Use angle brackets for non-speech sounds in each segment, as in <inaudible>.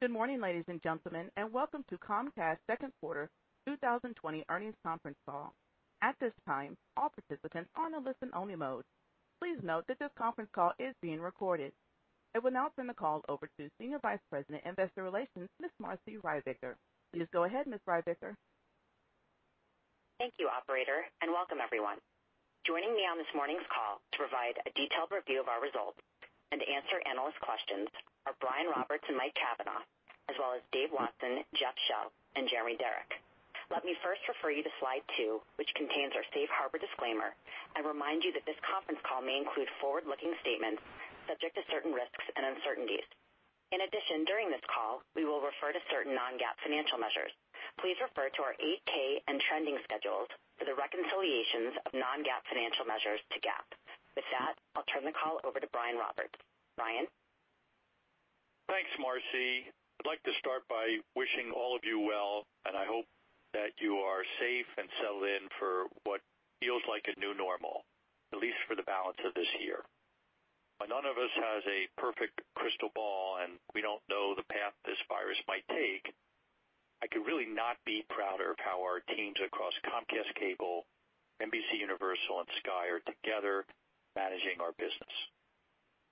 Good morning, ladies and gentlemen, and welcome to Comcast's Q2 2020 Earnings Conference Call. At this time, all participants are on a listen-only mode. Please note that this conference call is being recorded. I will now turn the call over to Senior Vice President, Investor Relations, Ms. Marci Ryvicker. Please go ahead, Ms. Ryvicker. Thank you, operator. Welcome everyone. Joining me on this morning's call to provide a detailed review of our results and to answer analyst questions are Brian Roberts and Mike Cavanagh, as well as Dave Watson, Jeff Shell, and Jeremy Darroch. Let me first refer you to Slide 2, which contains our safe harbor disclaimer. Remind you that this conference call may include forward-looking statements subject to certain risks and uncertainties. In addition, during this call, we will refer to certain non-GAAP financial measures. Please refer to our 8-K and trending schedules for the reconciliations of non-GAAP financial measures to GAAP. With that, I'll turn the call over to Brian Roberts. Brian? Thanks, Marci. I'd like to start by wishing all of you well, and I hope that you are safe and settled in for what feels like a new normal, at least for the balance of this year. While none of us has a perfect crystal ball, and we don't know the path this virus might take, I could really not be prouder of how our teams across Comcast Cable, NBCUniversal, and Sky are together managing our business.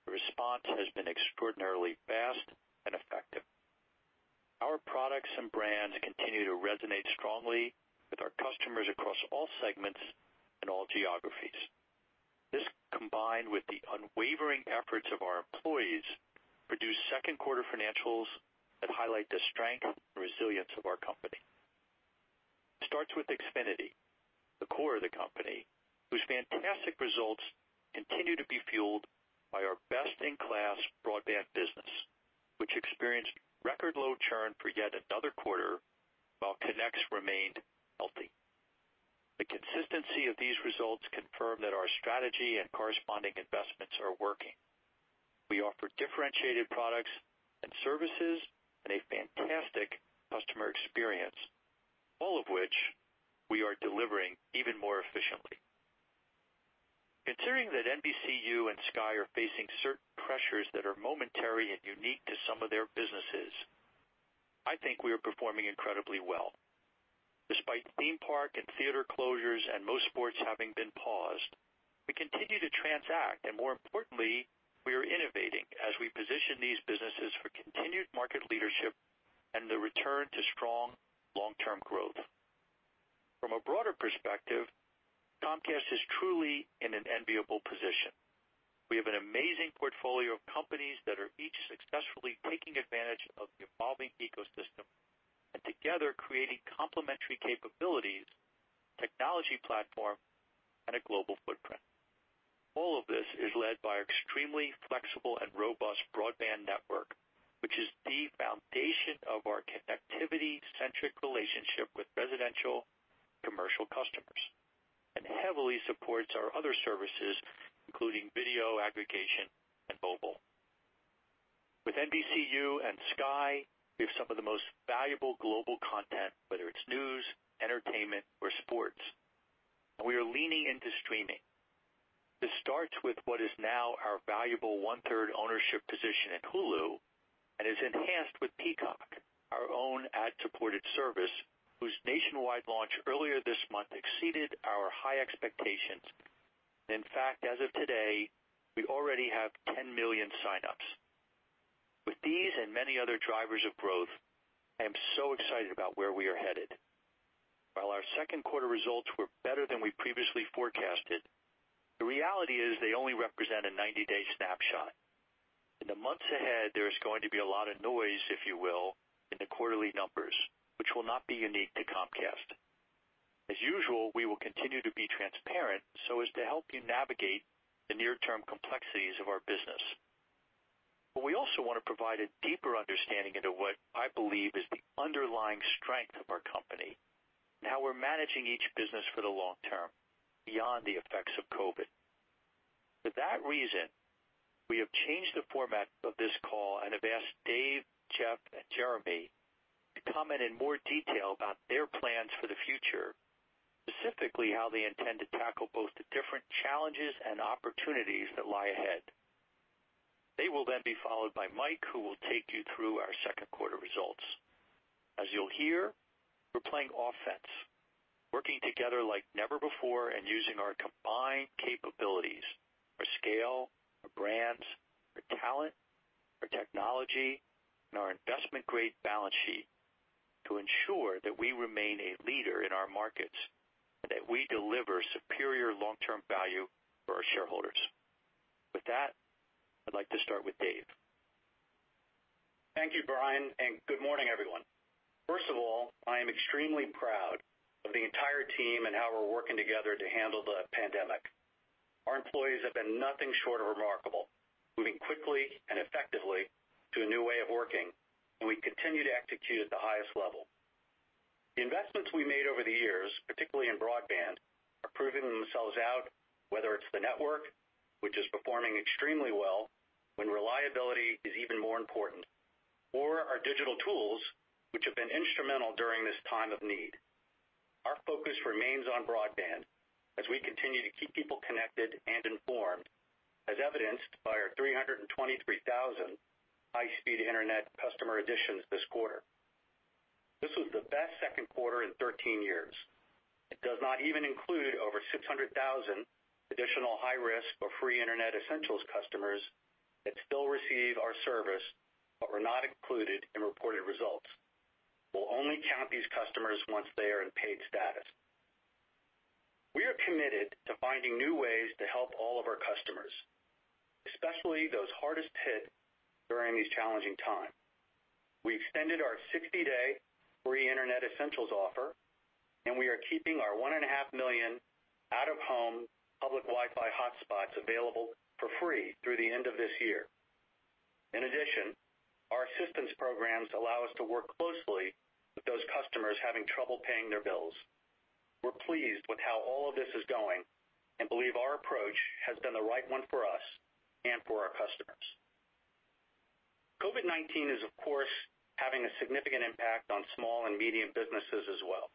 The response has been extraordinarily fast and effective. Our products and brands continue to resonate strongly with our customers across all segments and all geographies. This, combined with the unwavering efforts of our employees, produce Q2 financials that highlight the strength and resilience of our company. It starts with Xfinity, the core of the company, whose fantastic results continue to be fueled by our best-in-class broadband business, which experienced record low churn for yet another quarter while connects remained healthy. The consistency of these results confirm that our strategy and corresponding investments are working. We offer differentiated products and services and a fantastic customer experience, all of which we are delivering even more efficiently. Considering that NBCU and Sky are facing certain pressures that are momentary and unique to some of their businesses, I think we are performing incredibly well. Despite theme park and theater closures and most sports having been paused, we continue to transact, and more importantly, we are innovating as we position these businesses for continued market leadership and the return to strong long-term growth. From a broader perspective, Comcast is truly in an enviable position. We have an amazing portfolio of companies that are each successfully taking advantage of the evolving ecosystem and together creating complementary capabilities, technology platform, and a global footprint. All of this is led by our extremely flexible and robust broadband network, which is the foundation of our connectivity-centric relationship with residential commercial customers and heavily supports our other services, including video aggregation and mobile. With NBCU and Sky, we have some of the most valuable global content, whether it's news, entertainment, or sports, and we are leaning into streaming. This starts with what is now our valuable one-third ownership position at Hulu and is enhanced with Peacock, our own ad-supported service, whose nationwide launch earlier this month exceeded our high expectations. In fact, as of today, we already have 10 million signups. With these and many other drivers of growth, I am so excited about where we are headed. While our Q2 results were better than we previously forecasted, the reality is they only represent a 90-day snapshot. In the months ahead, there is going to be a lot of noise, if you will, in the quarterly numbers, which will not be unique to Comcast. As usual, we will continue to be transparent so as to help you navigate the near-term complexities of our business. We also wanna provide a deeper understanding into what I believe is the underlying strength of our company and how we're managing each business for the long term, beyond the effects of COVID-19. For that reason, we have changed the format of this call and have asked Dave, Jeff, and Jeremy to comment in more detail about their plans for the future, specifically how they intend to tackle both the different challenges and opportunities that lie ahead. They will be followed by Mike, who will take you through our Q2 results. As you'll hear, we're playing offense, working together like never before and using our combined capabilities, our scale, our brands, our talent, our technology, and our investment-grade balance sheet to ensure that we remain a leader in our markets, and that we deliver superior long-term value for our shareholders. With that, I'd like to start with Dave. Thank you, Brian. Good morning, everyone. First of all, I am extremely proud of the entire team and how we're working together to handle the pandemic. Our employees have been nothing short of remarkable, moving quickly and effectively to a new way of working. We continue to execute at the highest level. The investments we made over the years, particularly in broadband, are proving themselves out, whether it's the network, which is performing extremely well when reliability is even more important, or our digital tools, which have been instrumental during this time of need. Our focus remains on broadband as we continue to keep people connected and informed, as evidenced by our 323,000 high-speed internet customer additions this quarter. This was the best Q2 in 13 years. It does not even include over 600,000 additional high risk or free Internet Essentials customers that still receive our service but were not included in reported results. We'll only count these customers once they are in paid status. We are committed to finding new ways to help all of our customers, especially those hardest hit during these challenging times. We extended our 60-day free Internet Essentials offer, and we are keeping our 1.5 million out-of-home public Wi-Fi hotspots available for free through the end of this year. In addition, our assistance programs allow us to work closely with those customers having trouble paying their bills. We're pleased with how all of this is going and believe our approach has been the right one for us and for our customers. COVID-19 is, of course, having a significant impact on small and medium businesses as well.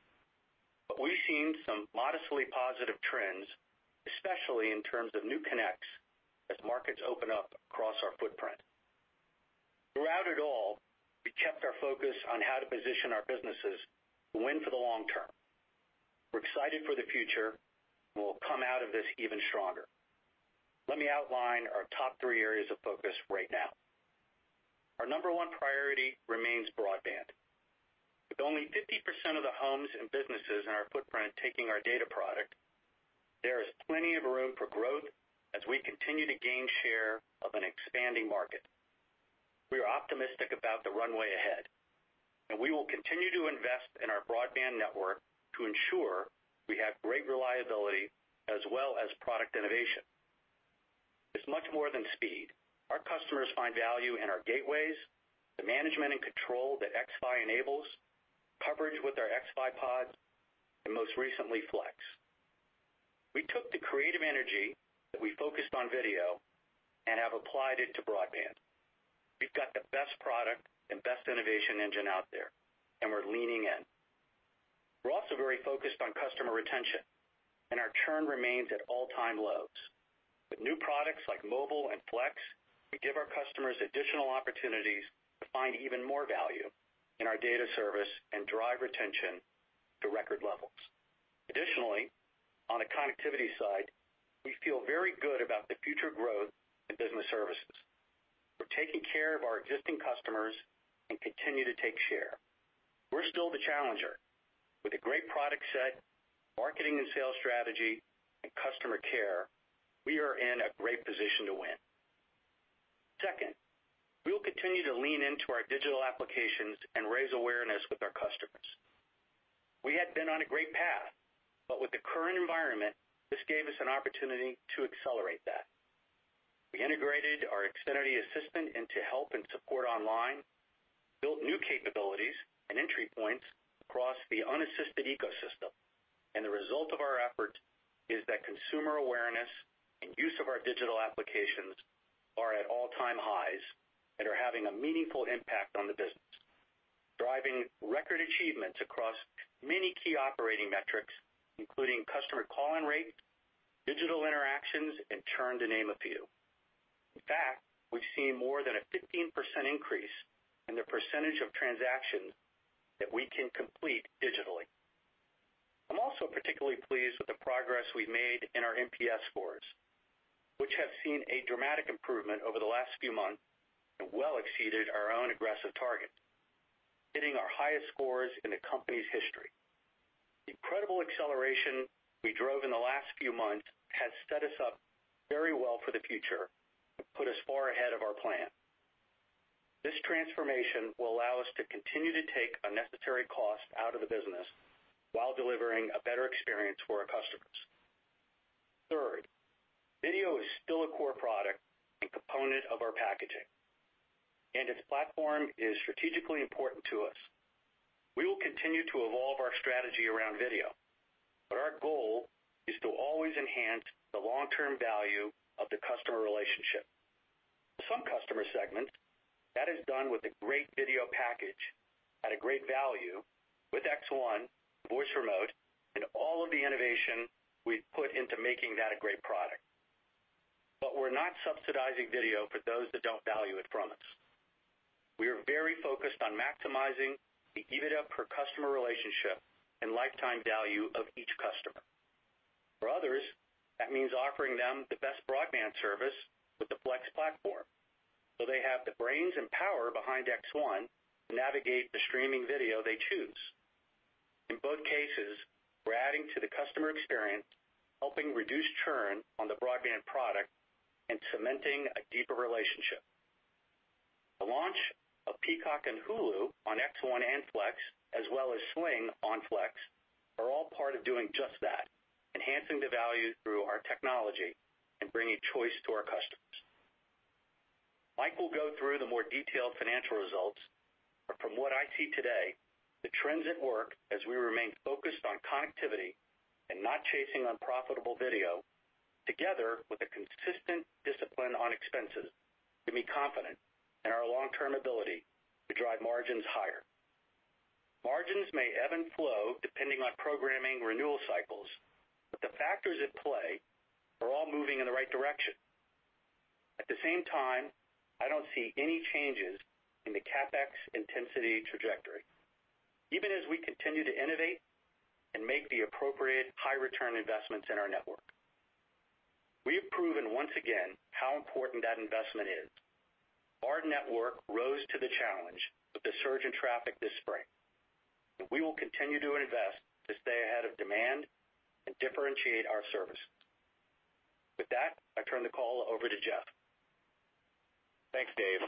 We've seen some modestly positive trends, especially in terms of new connects as markets open up across our footprint. Throughout it all, we kept our focus on how to position our businesses to win for the long term. We're excited for the future, and we'll come out of this even stronger. Let me outline our top three areas of focus right now. Our number one priority remains broadband. With only 50% of the homes and businesses in our footprint taking our data product, there is plenty of room for growth as we continue to gain share of an expanding market. We are optimistic about the runway ahead, and we will continue to invest in our broadband network to ensure we have great reliability as well as product innovation. It's much more than speed. Our customers find value in our gateways, the management and control that xFi enables, coverage with our xFi Pod, and most recently, Flex. We took the creative energy that we focused on video and have applied it to broadband. We've got the best product and best innovation engine out there, and we're leaning in. We're also very focused on customer retention, and our churn remains at all-time lows. With new products like Mobile and Flex, we give our customers additional opportunities to find even more value in our data service and drive retention to record levels. Additionally, on the connectivity side, we feel very good about the future growth in business services. We're taking care of our existing customers and continue to take share. We're still the challenger. With a great product set, marketing and sales strategy, and customer care, we are in a great position to win. Second, we will continue to lean into our digital applications and raise awareness with our customers. We had been on a great path, but with the current environment, this gave us an opportunity to accelerate that. We integrated our Xfinity Assistant into help and support online, built new capabilities and entry points across the unassisted ecosystem. The result of our efforts is that consumer awareness and use of our digital applications are at all-time highs and are having a meaningful impact on the business, driving record achievements across many key operating metrics, including customer call-in rate, digital interactions, and churn, to name a few. In fact, we've seen more than a 15% increase in the percentage of transactions that we can complete digitally. I'm also particularly pleased with the progress we've made in our NPS scores, which have seen a dramatic improvement over the last few months and well exceeded our own aggressive target, hitting our highest scores in the company's history. The incredible acceleration we drove in the last few months has set us up very well for the future and put us far ahead of our plan. This transformation will allow us to continue to take unnecessary cost out of the business while delivering a better experience for our customers. Third, video is still a core product and component of our packaging, and its platform is strategically important to us. We will continue to evolve our strategy around video, but our goal is to always enhance the long-term value of the customer relationship. For some customer segments, that is done with a great video package at a great value with X1, voice remote, and all of the innovation we've put into making that a great product. We're not subsidizing video for those that don't value it from us. We are very focused on maximizing the EBITDA per customer relationship and lifetime value of each customer. For others, that means offering them the best broadband service with the Flex platform, so they have the brains and power behind X1 to navigate the streaming video they choose. In both cases, we're adding to the customer experience, helping reduce churn on the broadband product, and cementing a deeper relationship. The launch of Peacock and Hulu on X1 and Flex, as well as Sling TV on Flex, are all part of doing just that, enhancing the value through our technology and bringing choice to our customers. Mike will go through the more detailed financial results, from what I see today, the trends at work as we remain focused on connectivity and not chasing unprofitable video together with a consistent discipline on expenses to be confident in our long-term ability to drive margins higher. Margins may ebb and flow depending on programming renewal cycles, the factors at play are all moving in the right direction. At the same time, I don't see any changes in the CapEx intensity trajectory, even as we continue to innovate and make the appropriate high return investments in our network. We have proven once again how important that investment is. Our network rose to the challenge with the surge in traffic this spring. We will continue to invest to stay ahead of demand and differentiate our services. With that, I turn the call over to Jeff. Thanks, Dave.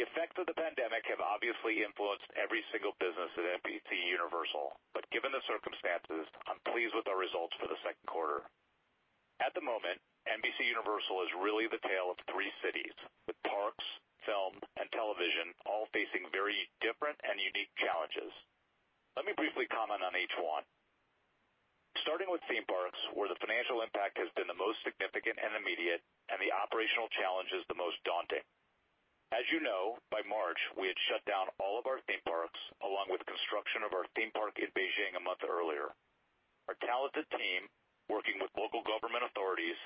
The effects of the pandemic have obviously influenced every single business at NBCUniversal. Given the circumstances, I'm pleased with our results for the Q2. At the moment, NBCUniversal is really the tale of three cities, with parks, film, and television all facing very different and unique challenges. Let me briefly comment on each one. Starting with theme parks, where the financial impact has been the most significant and immediate and the operational challenges the most daunting. As you know, by March, we had shut down all of our theme parks, along with construction of our theme park in Beijing a month earlier. Our talented team, working with local government authorities,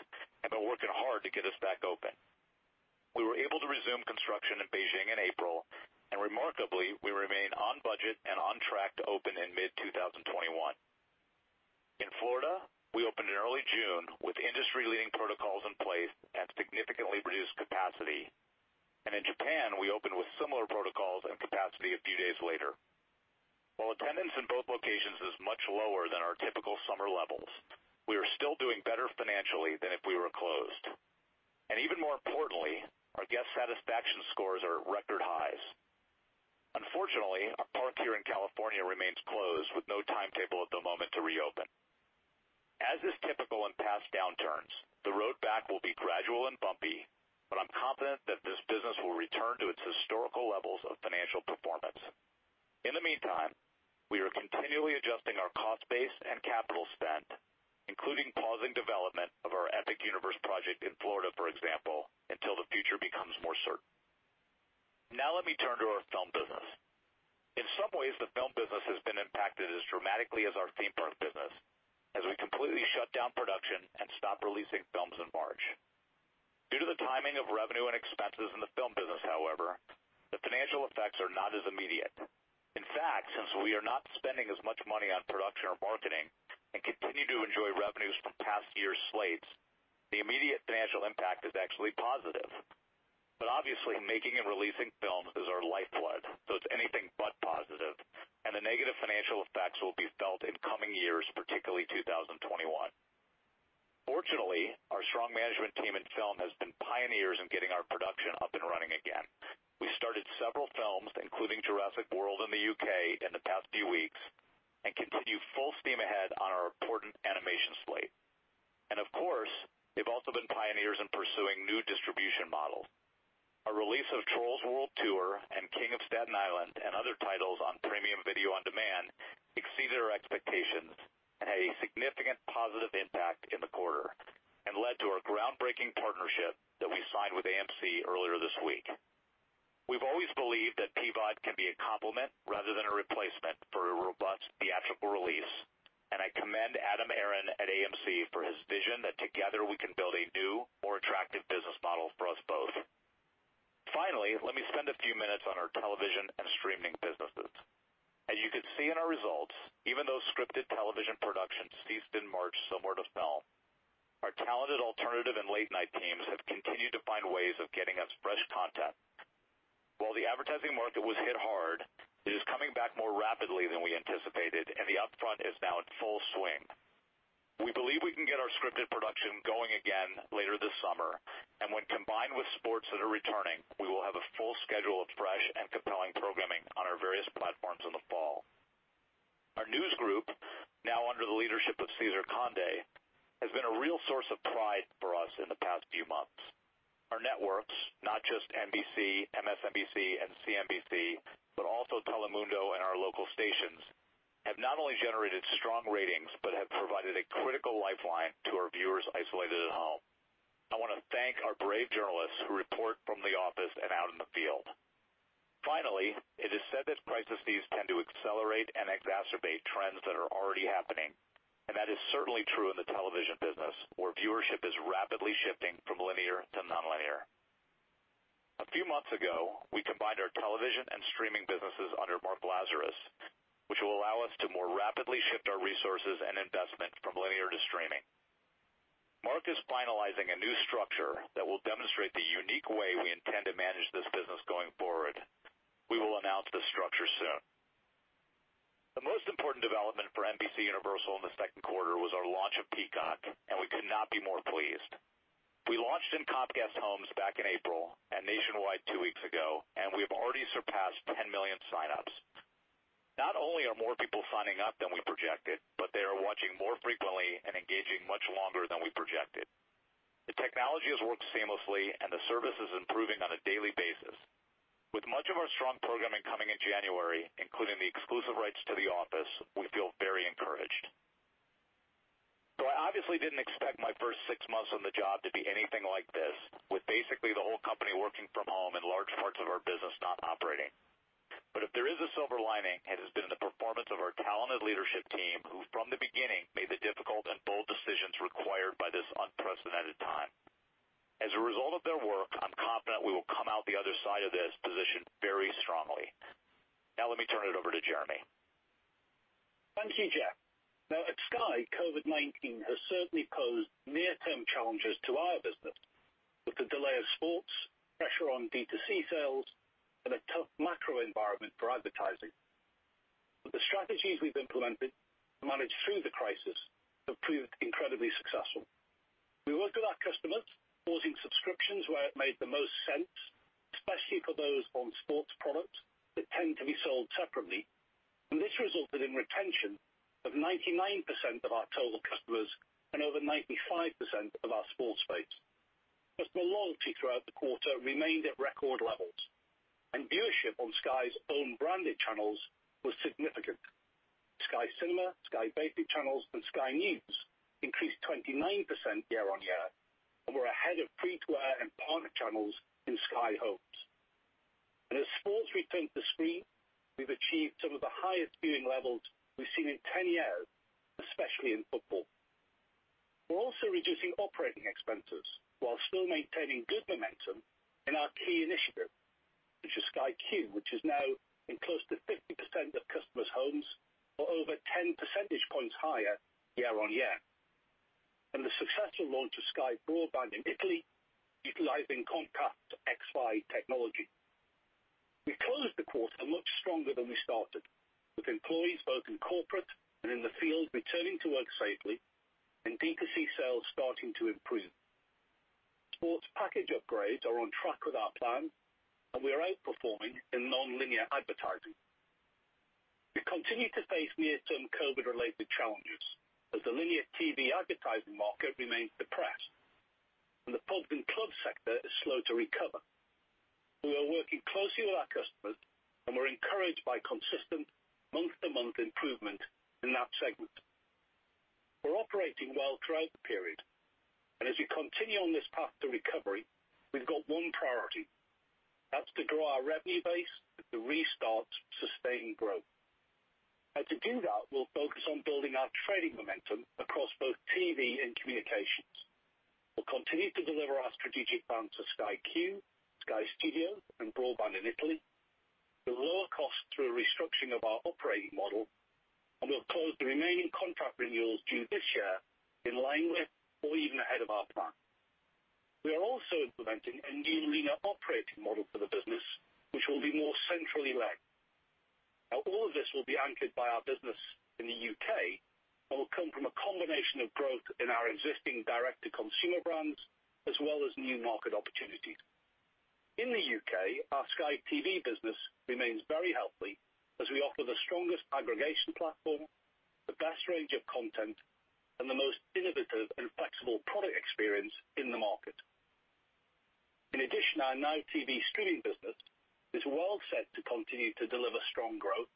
have been working hard to get us back open. We were able to resume construction in Beijing in April, and remarkably, we remain on budget and on track to open in mid 2021. In Florida, we opened in early June with industry-leading protocols in place and significantly reduced capacity. In Japan, we opened with similar protocols and capacity a few days later. While attendance in both locations is much lower than our typical summer levels, we are still doing better financially than if we were closed. Even more importantly, our guest satisfaction scores are at record highs. Unfortunately, our park here in California remains closed with no timetable at the moment to reopen. As is typical in past downturns, the road back will be gradual and bumpy, but I'm confident that this business will return to its historical levels of financial performance. In the meantime, we are continually adjusting our cost base and capital spend, including pausing development of our Epic Universe project in Florida, for example, until the future becomes more certain. Let me turn to our film business. In some ways, the film business has been impacted as dramatically as our theme park business as we completely shut down production and stopped releasing films in March. Due to the timing of revenue and expenses in the film business, however, the financial effects are not as immediate. In fact, since we are not spending as much money on production or marketing and continue to enjoy revenues from past years' slates, the immediate financial impact is actually positive. Obviously, making and releasing films is our lifeblood, so it's anything but positive, and the negative financial effects will be felt in coming years, particularly 2021. Fortunately, our strong management team in film has been pioneers in getting our production up and running again. We started several films, including Jurassic World in the U.K. in the past few weeks, and continue full steam ahead on our important animation slate. Of course, they've also been pioneers in pursuing new distribution models. Our release of Trolls World Tour and King of Staten Island and other titles on premium video on demand exceeded our expectations and had a significant positive impact in the quarter and led to our groundbreaking partnership that we signed with AMC earlier this week. We've always believed that PVOD can be a complement rather than a replacement for a robust theatrical release, and I commend Adam Aron at AMC for his vision that together we can build a new, more attractive business model for us both. Finally, let me spend a few minutes on our television and streaming businesses. As you can see in our results, even though scripted television production ceased in March similar to film, our talented alternative and late night teams have continued to find ways of getting us fresh content. While the advertising market was hit hard, it is coming back more rapidly than we anticipated and the upfront is now in full swing. We believe we can get our scripted production going again later this summer, and when combined with sports that are returning, we will have a full schedule of fresh and compelling programming on our various platforms in the fall. Our News Group, now under the leadership of Cesar Conde, has been a real source of pride for us in the past few months. Our networks, not just NBC, MSNBC and CNBC, but also Telemundo and our local stations, have not only generated strong ratings but have provided a critical lifeline to our viewers isolated at home. I wanna thank our brave journalists who report from the office and out in the field. Finally, it is said that crises tend to accelerate and exacerbate trends that are already happening. That is certainly true in the television business, where viewership is rapidly shifting from linear to nonlinear. A few months ago, we combined our television and streaming businesses under Mark Lazarus, which will allow us to more rapidly shift our resources and investment from linear to streaming. Mark is finalizing a new structure that will demonstrate the unique way we intend to manage this business going forward. We will announce this structure soon. The most important development for NBCUniversal in the Q2 was our launch of Peacock, and we could not be more pleased. We launched in Comcast homes back in April and nationwide two weeks ago, and we have already surpassed 10 million signups. Not only are more people signing up than we projected, but they are watching more frequently and engaging much longer than we projected. Technology has worked seamlessly and the service is improving on a daily basis. With much of our strong programming coming in January, including the exclusive rights to The Office, we feel very encouraged. I obviously didn't expect my first six months on the job to be anything like this, with basically the whole company working from home and large parts of our business not operating. If there is a silver lining, it has been the performance of our talented leadership team, who from the beginning, Sky Studios, and broadband in Italy with lower costs through a restructuring of our operating model, and we'll close the remaining contract renewals due this year in line with or even ahead of our plan. We are also implementing a new leaner operating model for the business, which will be more centrally led. All of this will be anchored by our business in the U.K. and will come from a combination of growth in our existing direct-to-consumer brands, as well as new market opportunities. In the U.K., our Sky TV business remains very healthy as we offer the strongest aggregation platform, the best range of content, and the most innovative and flexible product experience in the market. In addition, our NOW TV streaming business is well set to continue to deliver strong growth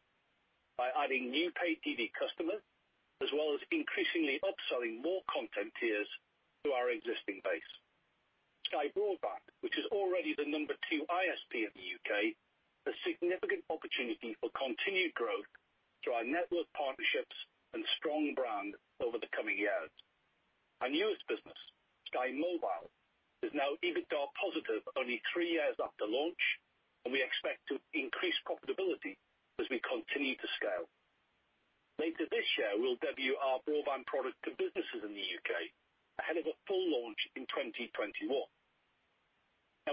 by adding new paid TV customers, as well as increasingly upselling more content tiers to our existing base. Sky Broadband, which is already the number 2 ISP in the U.K., has significant opportunity for continued growth through our network partnerships and strong brand over the coming years. Our newest business, Sky Mobile, is now EBITDA positive only three years after launch, and we expect to increase profitability as we continue to scale. Later this year, we'll debut our broadband product to businesses in the U.K. ahead of a full launch in 2021.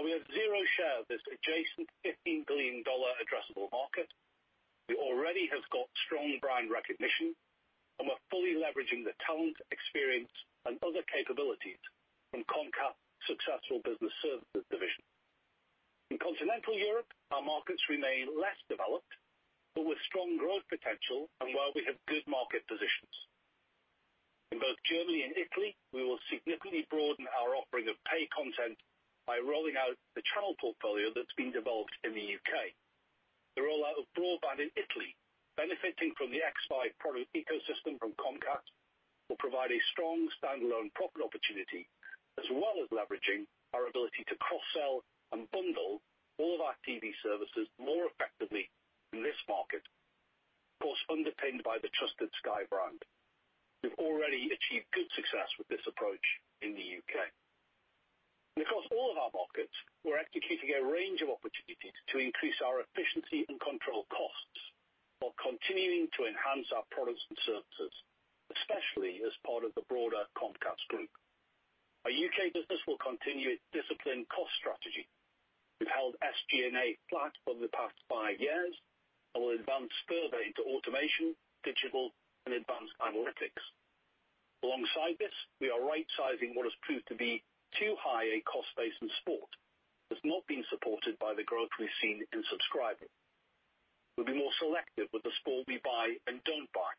We have zero share of this adjacent $15 billion-dollar addressable market. We already have got strong brand recognition, and we're fully leveraging the talent, experience, and other capabilities from Comcast's successful business services division. In Continental Europe, our markets remain less developed, but with strong growth potential and where we have good market positions. In both Germany and Italy, we will significantly broaden our offering of pay content by rolling out the channel portfolio that's been developed in the U.K. The rollout of broadband in Italy, benefiting from the xFi product ecosystem from Comcast, will provide a strong standalone profit opportunity, as well as leveraging our ability to cross-sell and bundle all of our TV services more effectively in this market. Of course, underpinned by the trusted Sky brand. We've already achieved good success with this approach in the U.K. Across all of our markets, we're executing a range of opportunities to increase our efficiency and control costs while continuing to enhance our products and services, especially as part of the broader Comcast group. Our U.K. business will continue its disciplined cost strategy. We've held SG&A flat over the past five years and will advance further into automation, digital, and advanced analytics. Alongside this, we are rightsizing what has proved to be too high a cost base in sport that's not been supported by the growth we've seen in subscribers. We'll be more selective with the sport we buy and don't buy.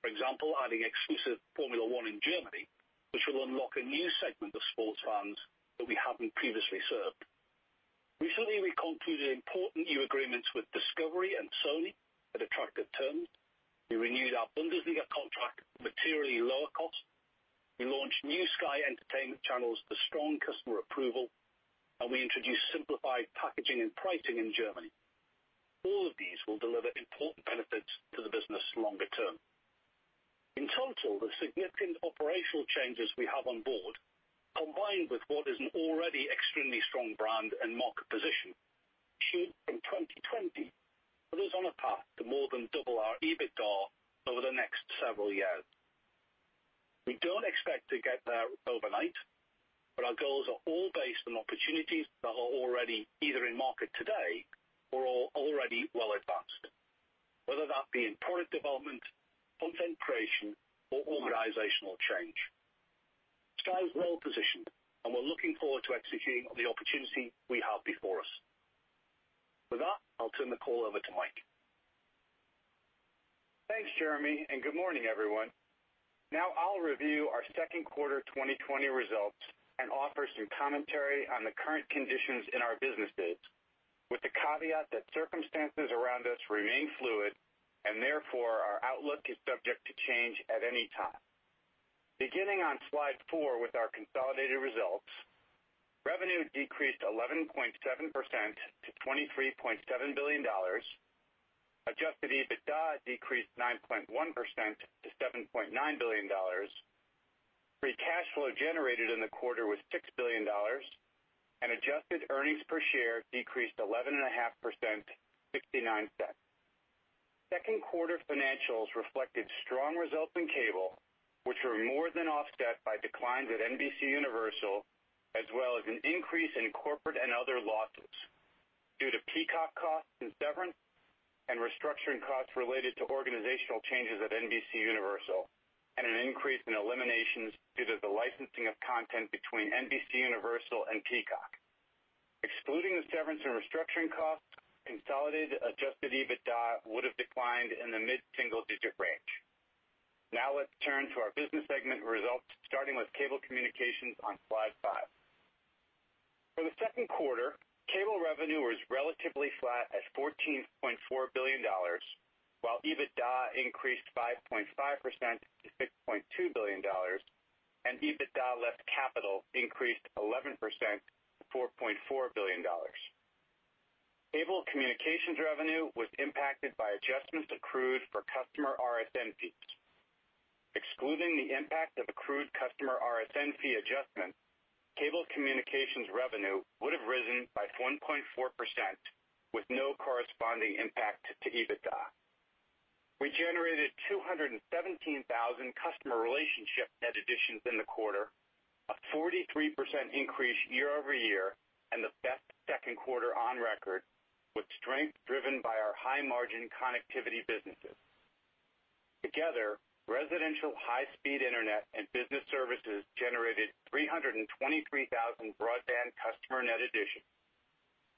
For example, adding exclusive Formula One in Germany, which will unlock a new segment of sports fans that we haven't previously served. Recently, we concluded important new agreements with Discovery and Sony at attractive terms. We renewed our Bundesliga contract at materially lower cost. We launched new Sky entertainment channels to strong customer approval, and we introduced simplified packaging and pricing in Germany. All of these will deliver important benefits to the business longer term. In total, the significant operational changes we have on board, combined with what is an already extremely strong brand and market position, should, in 2020, put us on a path to more than double our EBITDA over the next several years. We don't expect to get there overnight, but our goals are all based on opportunities that are already either in market today or already well advanced, whether that be in product development, content creation, or organizational change. Sky is well positioned, and we're looking forward to executing on the opportunity we have before us. With that, I'll turn the call over to Mike. Thanks, Jeremy. Good morning, everyone. Now I'll review our Q2 2020 results and offer some commentary on the current conditions in our businesses, with the caveat that circumstances around us remain fluid and therefore our outlook is subject to change at any time. Beginning on Slide 4 with our consolidated results, revenue decreased 11.7% to $23.7 billion. Adjusted EBITDA decreased 9.1% to $7.9 billion. Free cash flow generated in the quarter was $6 billion, and adjusted earnings per share decreased 11.5%, $0.69. Q2 financials reflected strong results in Cable, which were more than offset by declines at NBCUniversal, as well as an increase in corporate and other losses due to Peacock costs and severance and restructuring costs related to organizational changes at NBCUniversal and an increase in eliminations due to the licensing of content between NBCUniversal and Peacock. Excluding the severance and restructuring costs, consolidated adjusted EBITDA would have declined in the mid-single-digit range. Let's turn to our business segment results, starting with Cable Communications on Slide 5. For the Q2, Cable revenue was relatively flat at $14.4 billion, while EBITDA increased 5.5% to $6.2 billion, and EBITDA less CapEx increased 11% to $4.4 billion. Cable Communications revenue was impacted by adjustments accrued for customer RSN fees. Excluding the impact of accrued customer RSN fee adjustment, Cable Communications revenue would have risen by 1.4% with no corresponding impact to EBITDA. We generated 217,000 customer relationship net additions in the quarter, a 43% increase year-over-year and the best Q2 on record, with strength driven by our high-margin connectivity businesses. Together, residential high-speed internet and business services generated 323,000 broadband customer net additions,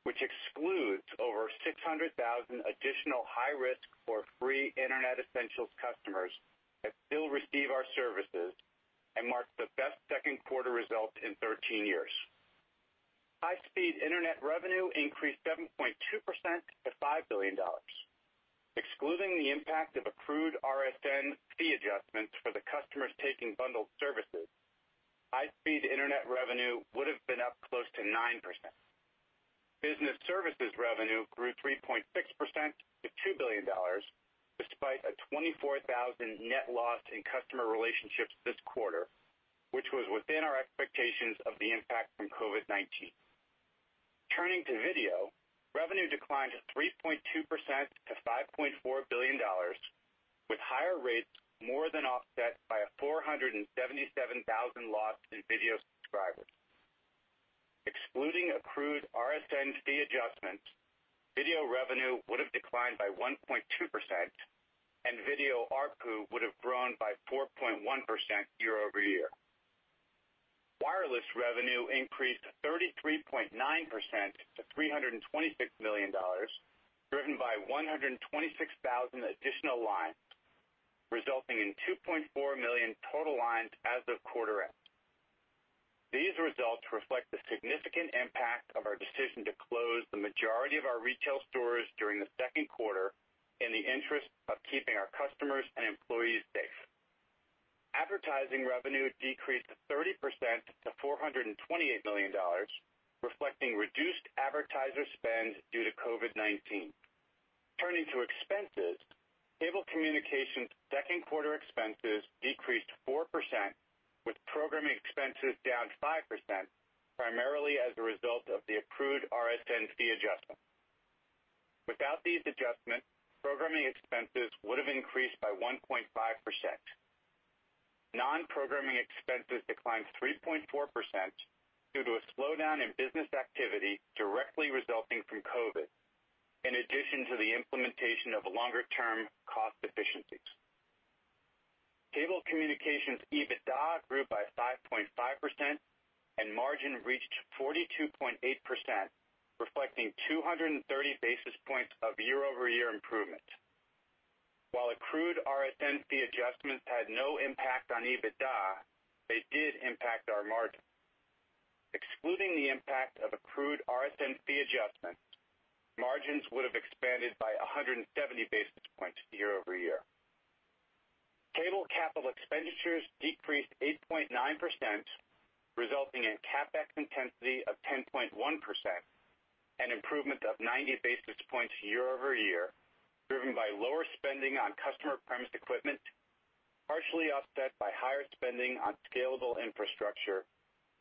which excludes over 600,000 additional high-risk for free Internet Essentials customers that still receive our services and marks the best Q2 result in 13 years. High-speed internet revenue increased 7.2% to $5 billion. Excluding the impact of accrued RSN fee adjustments for the customers taking bundled services, high-speed internet revenue would have been up close to 9%. Business services revenue grew 3.6% to $2 billion, despite a 24,000 net loss in customer relationships this quarter, which was within our expectations of the impact from COVID-19. Turning to video, revenue declined 3.2% to $5.4 billion, with higher rates more than offset by a 477,000 loss in video subscribers. Excluding accrued RSN fee adjustments, video revenue would have declined by 1.2%, and video ARPU would have grown by 4.1% year-over-year. Wireless revenue increased 33.9% to $326 million, driven by 126,000 additional lines, resulting in 2.4 million total lines as of quarter end. These results reflect the significant impact of our decision to close the majority of our retail stores during the Q2 in the interest of keeping our customers and employees safe. Advertising revenue decreased 30% to $428 million, reflecting reduced advertiser spend due to COVID-19. Turning to expenses, Cable Communications' Q2 expenses decreased 4%, with programming expenses down 5%, primarily as a result of the accrued RSN fee adjustment. Without these adjustments, programming expenses would have increased by 1.5%. Non-programming expenses declined 3.4% due to a slowdown in business activity directly resulting from COVID-19, in addition to the implementation of longer-term cost efficiencies. Cable Communications EBITDA grew by 5.5%, and margin reached 42.8%, reflecting 230 basis points of year-over-year improvement. While accrued RSN fee adjustments had no impact on EBITDA, they did impact our margin. Excluding the impact of accrued RSN fee adjustments, margins would have expanded by 170 basis points year-over-year. Cable capital expenditures decreased 8.9%, resulting in CapEx intensity of 10.1%, an improvement of 90 basis points year-over-year, driven by lower spending on customer premises equipment, partially offset by higher spending on scalable infrastructure,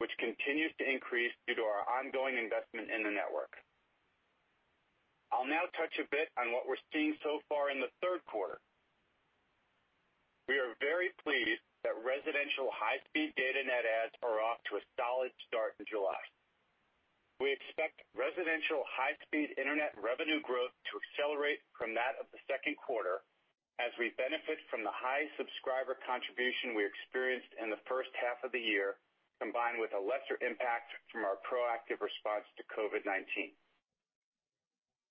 which continues to increase due to our ongoing investment in the network. I'll now touch a bit on what we're seeing so far in the Q3. We are very pleased that residential high-speed data net adds are off to a solid start in July. We expect residential high-speed internet revenue growth to accelerate from that of the Q2 as we benefit from the high subscriber contribution we experienced in the H1 of the year, combined with a lesser impact from our proactive response to COVID-19.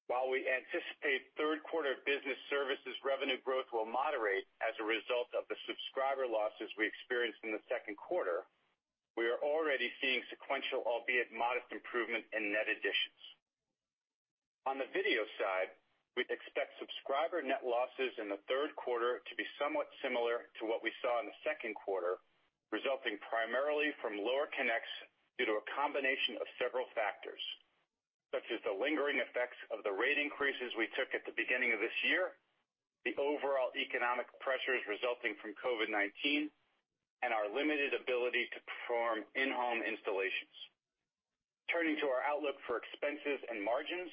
While we anticipate Q3 business services revenue growth will moderate as a result of the subscriber losses we experienced in the Q2, we are already seeing sequential, albeit modest, improvement in net additions. On the video side, we expect subscriber net losses in the Q3 to be somewhat similar to what we saw in the Q2, resulting primarily from lower connects due to a combination of several factors, such as the lingering effects of the rate increases we took at the beginning of this year, the overall economic pressures resulting from COVID-19, and our limited ability to perform in-home installations. Turning to our outlook for expenses and margins.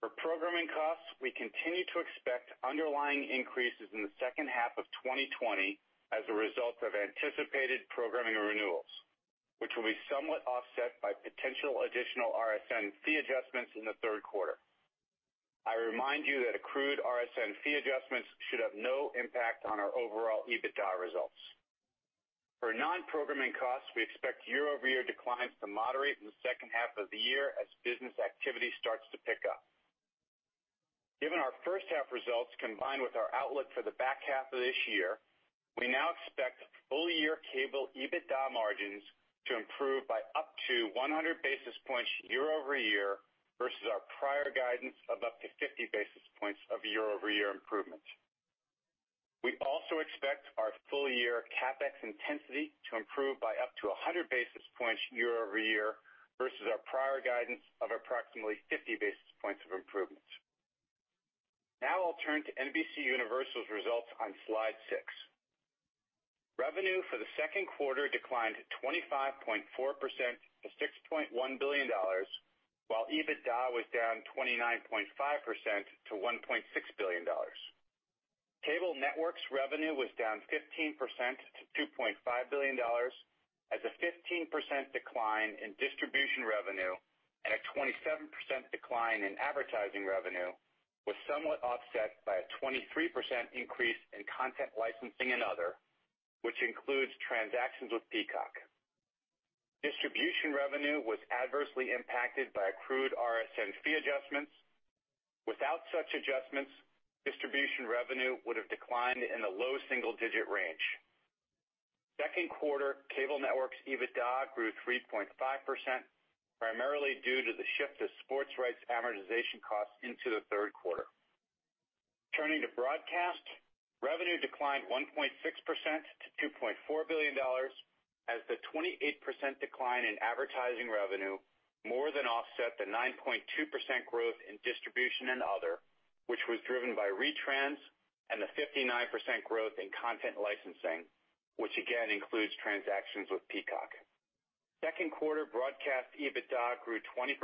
For programming costs, we continue to expect underlying increases in the H2 of 2020 as a result of anticipated programming renewals, which will be somewhat offset by potential additional RSN fee adjustments in the Q3. I remind you that accrued RSN fee adjustments should have no impact on our overall EBITDA results. For non-programming costs, we expect year-over-year declines to moderate in the H2 of the year as business activity starts to pick up. Given our H1 results combined with our outlook for the back half of this year, we now expect full-year Cable EBITDA margins to improve by up to 100 basis points year-over-year versus our prior guidance of up to 50 basis points of year-over-year improvement. We also expect our full-year CapEx intensity to improve by up to 100 basis points year-over-year versus our prior guidance of approximately 50 basis points of improvement. I'll turn to NBCUniversal's results on Slide 6. Revenue for the Q2 declined 25.4% to $6.1 billion while EBITDA was down 29.5% to $1.6 billion. Cable networks revenue was down 15% to $2.5 billion as a 15% decline in distribution revenue and a 27% decline in advertising revenue was somewhat offset by a 23% increase in content licensing and other, which includes transactions with Peacock. Distribution revenue was adversely impacted by accrued RSN fee adjustments. Without such adjustments, distribution revenue would have declined in the low single-digit range. Q2 cable networks' EBITDA grew 3.5%, primarily due to the shift of sports rights amortization costs into the Q3. Turning to broadcast, revenue declined 1.6% to $2.4 billion as the 28% decline in advertising revenue more than offset the 9.2% growth in distribution and other, which was driven by retrans and the 59% growth in content licensing, which again includes transactions with Peacock. Q2 broadcast EBITDA grew 20%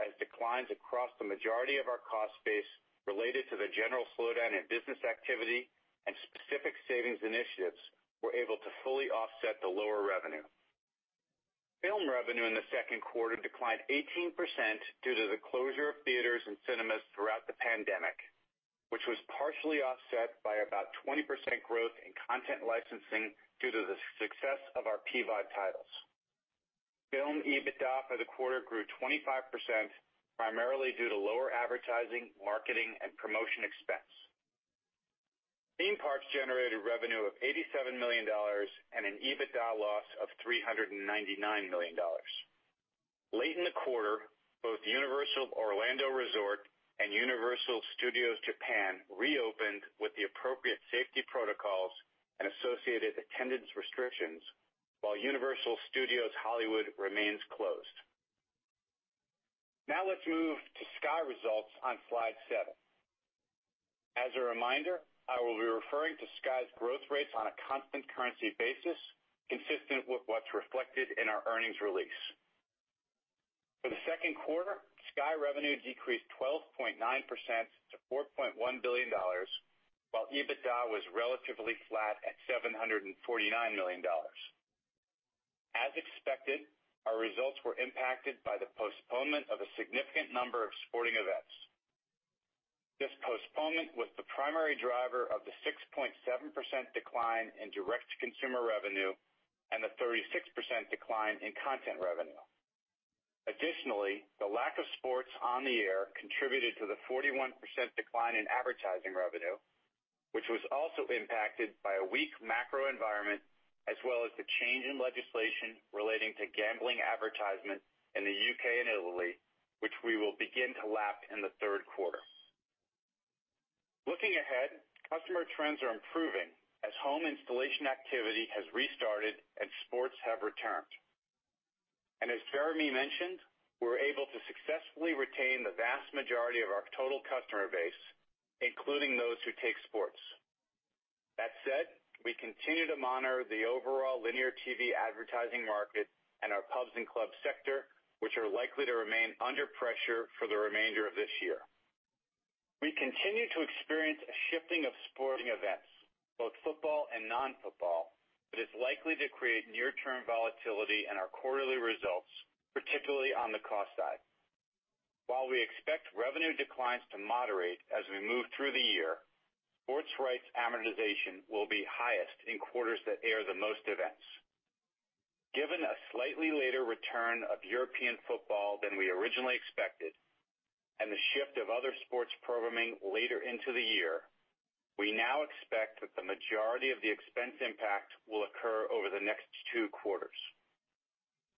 as declines across the majority of our cost base related to the general slowdown in business activity and specific savings initiatives were able to fully offset the lower revenue. Film revenue in the Q2 declined 18% due to the closure of theaters and cinemas throughout the pandemic, which was partially offset by about 20% growth in content licensing due to the success of our PVOD titles. Film EBITDA for the quarter grew 25%, primarily due to lower advertising, marketing and promotion expense. Theme parks generated revenue of $87 million and an EBITDA loss of $399 million. Late in the quarter, both Universal Orlando Resort and Universal Studios Japan reopened with the appropriate safety protocols and associated attendance restrictions while Universal Studios Hollywood remains closed. Now let's move to Sky results on Slide 7. As a reminder, I will be referring to Sky's growth rates on a constant currency basis, consistent with what's reflected in our earnings release. For the Q2, Sky revenue decreased 12.9% to $4.1 billion, while EBITDA was relatively flat at $749 million. As expected, our results were impacted by the postponement of a significant number of sporting events. This postponement was the primary driver of the 6.7% decline in direct-to-consumer revenue and the 36% decline in content revenue. Additionally, the lack of sports on the air contributed to the 41% decline in advertising revenue, which was also impacted by a weak macro environment, as well as the change in legislation relating to gambling advertisement in the U.K. and Italy, which we will begin to lap in the Q3. Looking ahead, customer trends are improving as home installation activity has restarted and sports have returned. As Jeremy mentioned, we're able to successfully retain the vast majority of our total customer base, including those who take sports. That said, we continue to monitor the overall linear TV advertising market and our pubs and club sector, which are likely to remain under pressure for the remainder of this year. We continue to experience a shifting of sporting events, both football and non-football, that is likely to create near-term volatility in our quarterly results, particularly on the cost side. While we expect revenue declines to moderate as we move through the year, sports rights amortization will be highest in quarters that air the most events. Given a slightly later return of European football than we originally expected and the shift of other sports programming later into the year, we now expect that the majority of the expense impact will occur over the next two quarters.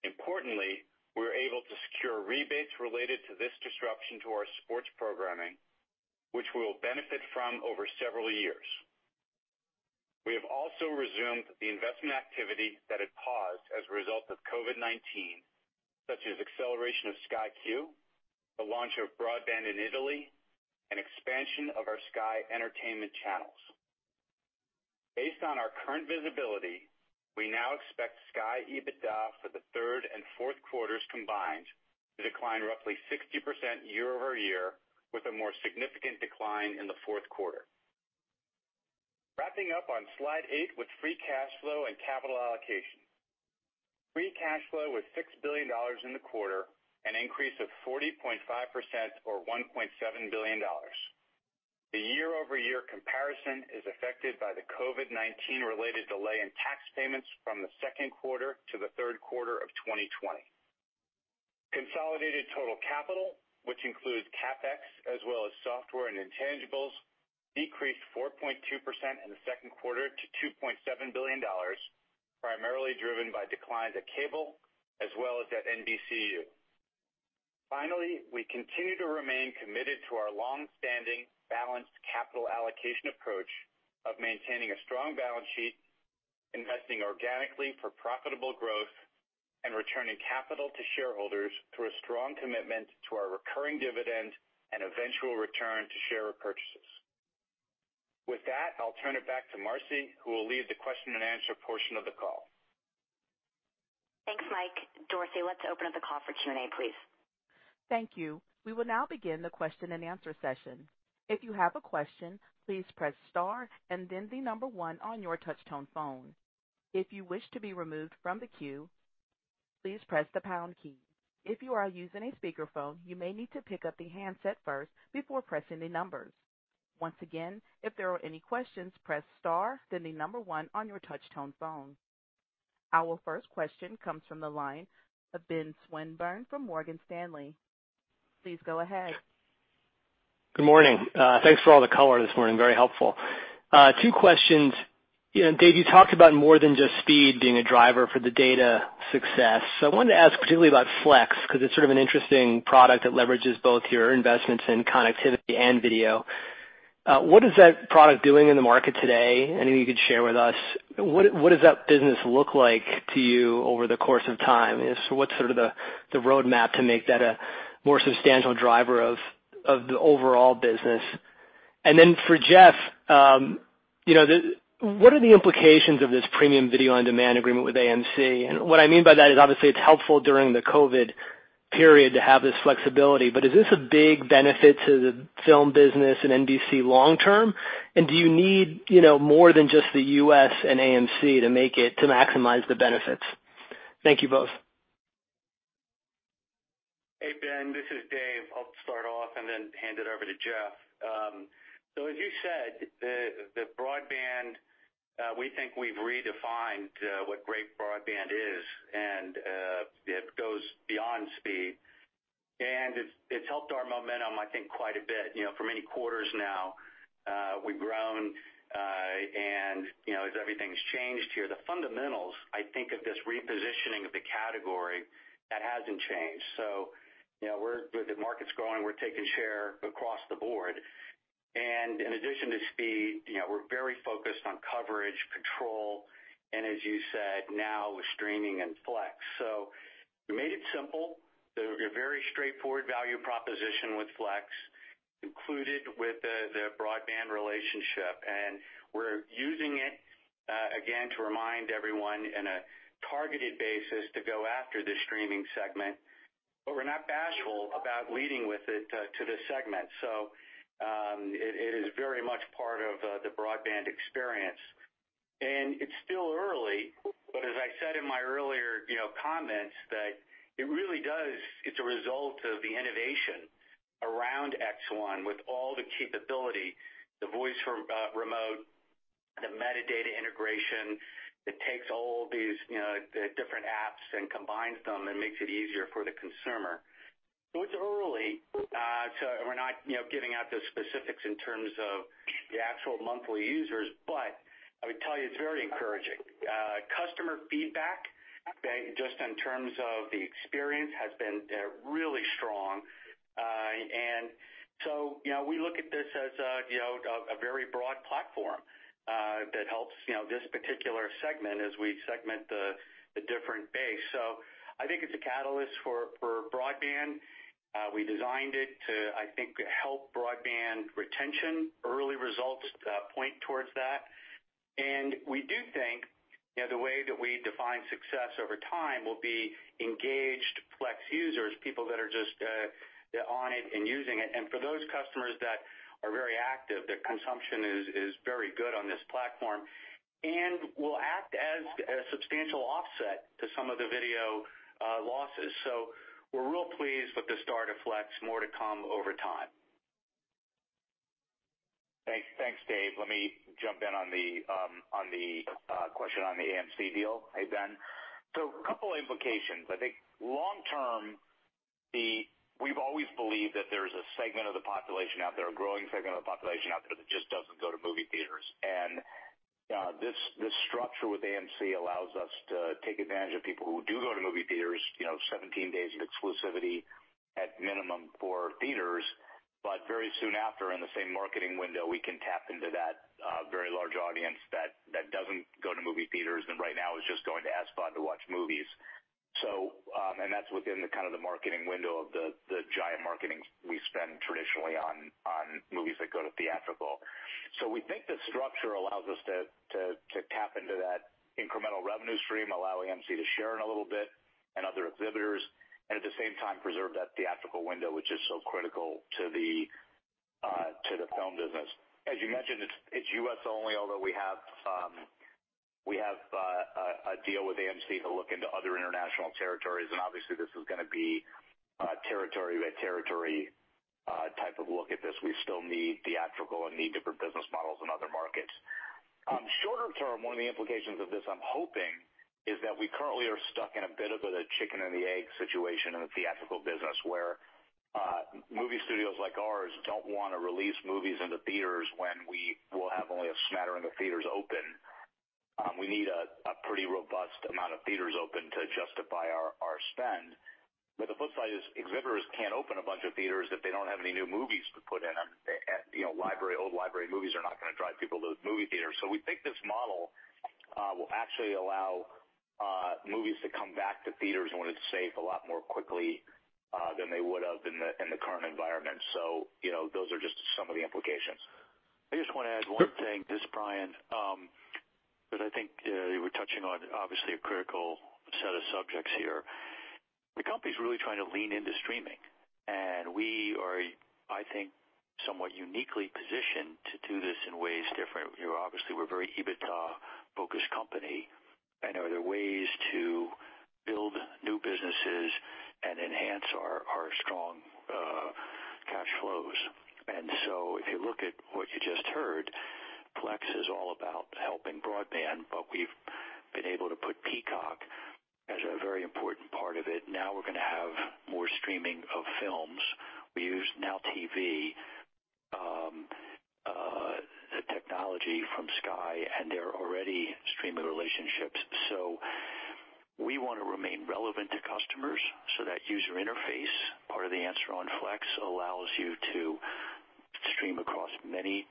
Importantly, we're able to secure rebates related to this disruption to our sports programming, which we'll benefit from over several years. We have also resumed the investment activity that had paused as a result of COVID-19, such as acceleration of Sky Q, the launch of broadband in Italy, and expansion of our Sky entertainment channels. Based on our current visibility, we now expect Sky EBITDA for the Q3 and Q4s combined to decline roughly 60% year-over-year, with a more significant decline in the Q4. Wrapping up on Slide 8 with free cash flow and capital allocation. Free cash flow was $6 billion in the quarter, an increase of 40.5% or $1.7 billion. The year-over-year comparison is affected by the COVID-19 related delay in tax payments from the Q2 to the Q3 of 2020. Consolidated total capital, which includes CapEx as well as software and intangibles, decreased 4.2% in the Q2 to $2.7 billion, primarily driven by declines at Cable as well as at NBCU. We continue to remain committed to our long-standing balanced capital allocation approach of maintaining a strong balance sheet, investing organically for profitable growth, and returning capital to shareholders through a strong commitment to our recurring dividend and eventual return to share repurchases. With that, I'll turn it back to Marci, who will lead the Q&A portion of the call. Thanks, Mike. Dorothy, let's open up the call for Q&A, please. Thank you. We will now begin the Q&A session. Our first question comes from the line of Ben Swinburne from Morgan Stanley. Please go ahead. Good morning. Thanks for all the color this morning. Very helpful. Two questions. You know, David, you talked about more than just speed being a driver for the data success. I wanted to ask particularly about Flex, 'cause it's sort of an interesting product that leverages both your investments in connectivity and video. What is that product doing in the market today? Anything you could share with us. What does that business look like to you over the course of time? What's sort of the roadmap to make that a more substantial driver of the overall business? For Jeff, you know, what are the implications of this premium video on demand agreement with AMC? What I mean by that is obviously it's helpful during the COVID period to have this flexibility, but is this a big benefit to the film business and NBC long term? Do you need, you know, more than just the U.S. and AMC to make it to maximize the benefits? Thank you both. Hey, Ben, this is Dave. I'll start off and then hand it over to Jeff. As you said, the broadband, we think we've redefined what great broadband is and it goes beyond speed. It's helped our momentum, I think, quite a bit. You know, for many quarters now, we've grown, and, you know, as everything's changed here, the fundamentals, I think, of this repositioning of the category, that hasn't changed. The market's growing, we're taking share across the board. In addition to speed, you know, we're very focused on coverage, control, and as you said, now with streaming and Flex. We made it simple. A very straightforward value proposition with Flex included with the broadband relationship. We're using it again, to remind everyone in a targeted basis to go after the streaming segment. We're not bashful about leading with it to this segment. It is very much part of the broadband experience. It's still early, but as I said in my earlier, you know, comments that it's a result of the innovation around X1 with all the capability, the voice remote, the metadata integration that takes all these, you know, the different apps and combines them and makes it easier for the consumer. It's early. We're not, you know, giving out the specifics in terms of the actual monthly users, but I would tell you it's very encouraging. Customer feedback, okay, just in terms of the experience has been really strong. You know, we look at this as, you know, a very broad platform, that helps, you know, this particular segment as we segment the different base. I think it's a catalyst for broadband. We designed it to, I think, help broadband retention. Early results, point towards that. We do think, you know, the way that we define success over time will be engaged Flex users, people that are just, on it and using it. For those customers that are very active, their consumption is very good on this platform and will act as a substantial offset to some of the video, losses. We're real pleased with the start of Flex. More to come over time. Thanks. Thanks, Dave. Let me jump in on the question on the AMC deal. Hey, Ben. A couple implications. I think long term, we've always believed that there's a segment of the population out there, a growing segment of the population out there that just doesn't go to movie theaters. This structure with AMC allows us to take advantage of people who do go to movie theaters, you know, 17 days of exclusivity at minimum for theaters. Very soon after, in the same marketing window, we can tap into that very large audience that doesn't go to movie theaters and right now is just going to SVOD to watch movies. That's within the kind of the marketing window of the giant marketing we spend traditionally on movies that go to theatrical. We think the structure allows us to tap into that incremental revenue stream, allow AMC to share in a little bit and other exhibitors, and at the same time preserve that theatrical window, which is so critical to the film business. As you mentioned, it's U.S. only, although we have a deal with AMC to look into other international territories. Obviously this is gonna be territory by territory type of look at this. We still need theatrical and need different business models in other markets. Shorter term, one of the implications of this, I'm hoping, is that we currently are stuck in a bit of a chicken and the egg situation in the theatrical business, where movie studios like ours don't wanna release movies into theaters when we will have only a smattering of theaters open. We need a pretty robust amount of theaters open to justify our spend. The flip side is exhibitors can't open a bunch of theaters if they don't have any new movies to put in 'em. You know, library, old library movies are not gonna drive people to the movie theater. We think this model will actually allow movies to come back to theaters when it's safe a lot more quickly than they would have in the current environment, you know, those are just some of the implications. I just wanna add one thing. This is Brian. I think you were touching on obviously a critical set of subjects here. The company's really trying to lean into streaming, and we are, I think, somewhat uniquely positioned to do this in ways different. You know, obviously, we're a very EBITDA-focused company, and are there ways to build new businesses and enhance our strong cash flows. If you look at what you just heard, Flex is all about helping broadband, but we've been able to put Peacock as a very important part of it. Now we're gonna have more streaming of films. We use NOW TV technology from Sky, and they're already streaming relationships. We wanna remain relevant to customers. That user interface, part of the answer on Flex allows you to stream across many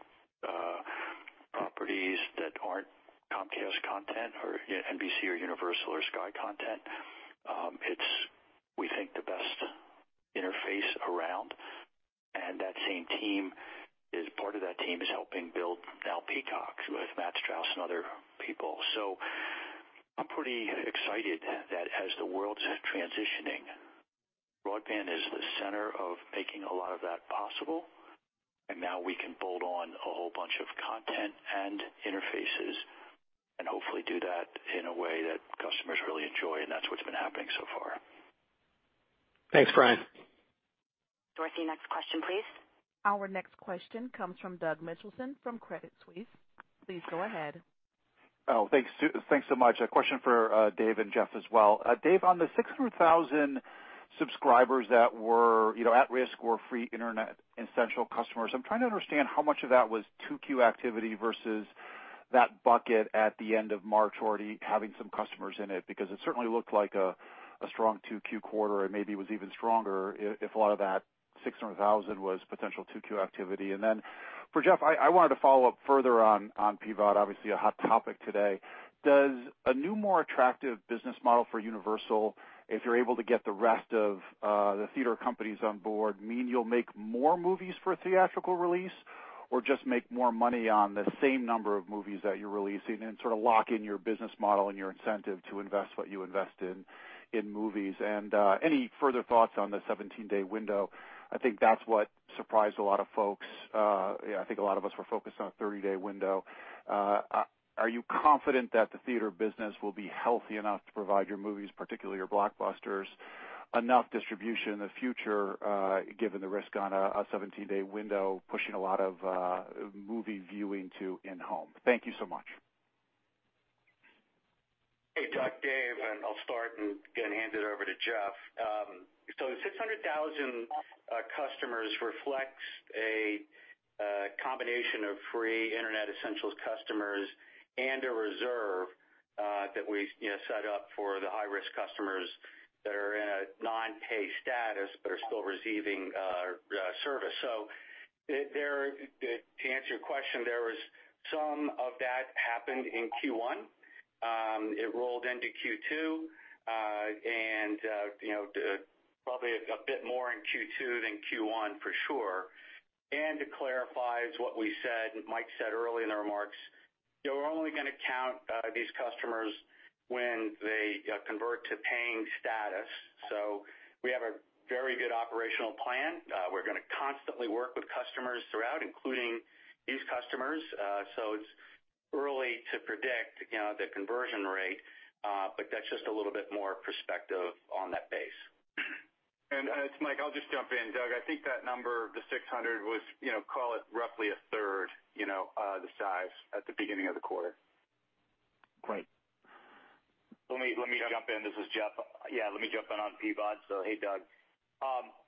properties that aren't Comcast content or, you know, NBC or Universal or Sky content. It's we think the best interface around. That same team, part of that team is helping build now Peacock with Matt Strauss and other people. I'm pretty excited that as the world's transitioning, broadband is the center of making a lot of that possible. Now we can bolt on a whole bunch of content and interfaces and hopefully do that in a way that customers really enjoy, and that's what's been happening so far. Thanks, Brian. Dorothy, next question, please. Our next question comes from Douglas Mitchelson from Credit Suisse. Please go ahead. Thanks. Thanks so much. A question for Dave and Jeff as well. Dave, on the 600,000 subscribers that were, you know, at risk or free Internet Essentials customers, I'm trying to understand how much of that was 2Q activity versus that bucket at the end of March already having some customers in it, because it certainly looked like a strong 2Q quarter and maybe was even stronger if a lot of that 600,000 was potential 2Q activity. For Jeff, I wanted to follow up further on PVOD, obviously a hot topic today. Does a new, more attractive business model for Universal, if you're able to get the rest of the theater companies on board, mean you'll make more movies for theatrical release? Or just make more money on the same number of movies that you're releasing and sort of lock in your business model and your incentive to invest what you invest in movies. Any further thoughts on the 17-day window? I think that's what surprised a lot of folks. Yeah, I think a lot of us were focused on a 30-day window. Are you confident that the theater business will be healthy enough to provide your movies, particularly your blockbusters, enough distribution in the future, given the risk on a 17-day window pushing a lot of movie viewing to in-home? Thank you so much. Hey, Doug, Dave, and I'll start and again hand it over to Jeff. The 600,000 customers reflects a combination of free Internet Essentials customers and a reserve that we, you know, set up for the high-risk customers that are in a non-pay status but are still receiving service. To answer your question, there was some of that happened in Q1. It rolled into Q2, and, you know, probably a bit more in Q2 than Q1 for sure. To clarify what we said, Mike said earlier in the remarks, you know, we're only gonna count these customers when they convert to paying status. We have a very good operational plan. We're gonna constantly work with customers throughout, including these customers. It's early to predict, you know, the conversion rate, but that's just a little bit more perspective on that base. It's Mike, I'll just jump in. Doug, I think that number, the 600 was, you know, call it roughly a third, you know, the size at the beginning of the quarter. Great. Let me jump in. This is Jeff. Let me jump in on PVOD. Doug.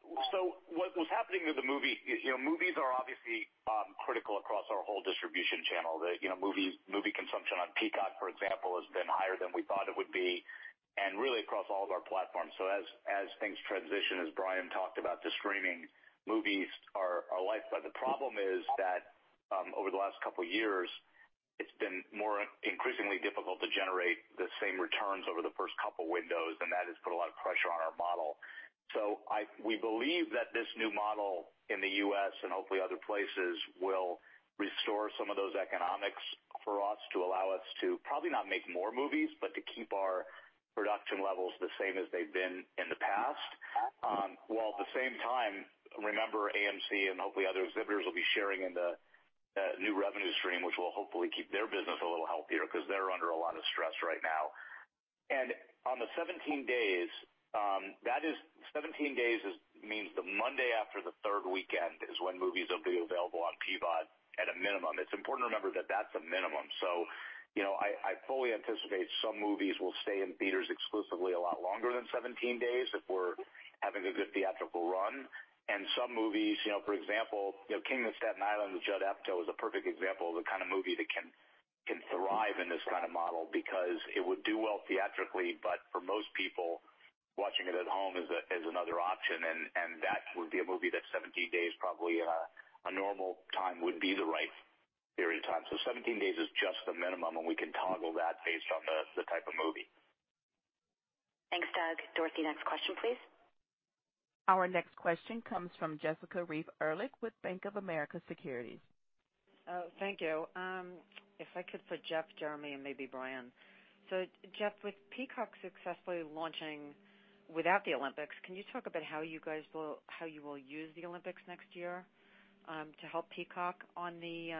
What was happening with the movie, you know, movies are obviously critical across our whole distribution channel. The movie consumption on Peacock, for example, has been higher than we thought it would be, and really across all of our platforms. As things transition, as Brian talked about, the streaming movies are life. The problem is that over the last couple of years, it's been more increasingly difficult to generate the same returns over the first couple windows, and that has put a lot of pressure on our model. We believe that this new model in the U.S. and hopefully other places will restore some of those economics for us to allow us to probably not make more movies, but to keep our production levels the same as they've been in the past. While at the same time, remember AMC and hopefully other exhibitors will be sharing in the new revenue stream, which will hopefully keep their business a little healthier because they're under a lot of stress right now. On the 17 days, that is 17 days means the Monday after the third weekend is when movies will be available on PVOD at a minimum. It's important to remember that that's a minimum. You know, I fully anticipate some movies will stay in theaters exclusively a lot longer than 17 days if we're having a good theatrical run. Some movies, you know, for example, you know, The King of Staten Island with Judd Apatow is a perfect example of the kind of movie that can thrive in this kind of model because it would do well theatrically, but for most people, watching it at home is another option. That would be a movie that 17 days probably, a normal time would be the right period of time. 17 days is just the minimum, and we can toggle that based on the type of movie. Thanks, Doug. Dorothy, next question, please. Our next question comes from Jessica Reif Ehrlich with Bank of America Securities. Thank you. If I could for Jeff, Jeremy, and maybe Brian. Jeff, with Peacock successfully launching without the Olympics, can you talk about how you will use the Olympics next year to help Peacock? On the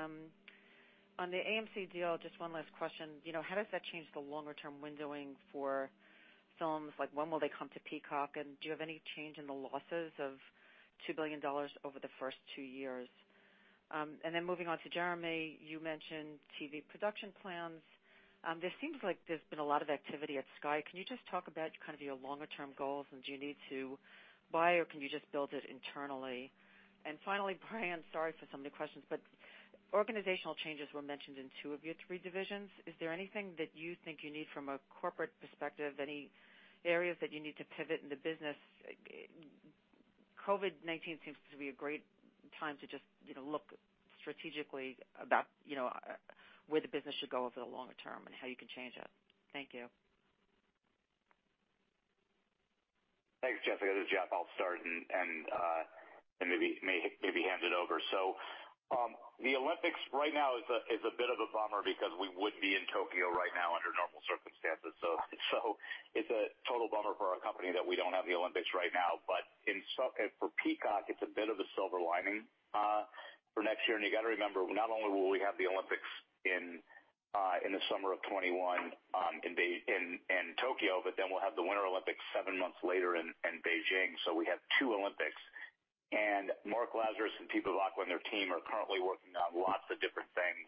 AMC deal, just one last question. You know, how does that change the longer-term windowing for films? Like, when will they come to Peacock? Do you have any change in the losses of $2 billion over the first two years? Moving on to Jeremy, you mentioned TV production plans. There seems like there's been a lot of activity at Sky. Can you just talk about kind of your longer-term goals, do you need to buy or can you just build it internally? Finally, Brian, sorry for so many questions, organizational changes were mentioned in two of your three divisions. Is there anything that you think you need from a corporate perspective? Any areas that you need to pivot in the business? COVID-19 seems to be a great time to just, you know, look strategically about, you know, where the business should go over the longer term and how you can change that. Thank you. Thanks, Jessica. This is Jeff. I'll start and maybe hand it over. The Olympics right now is a bit of a bummer because we would be in Tokyo right now under normal circumstances. It's a total bummer for our company that we don't have the Olympics right now. For Peacock, it's a bit of a silver lining for next year. You got to remember, not only will we have the Olympics in the summer of 2021, in Tokyo, but then we'll have the Winter Olympics seven months later in Beijing. We have two Olympics. Mark Lazarus and Pete Bevacqua, their team are currently working on lots of different things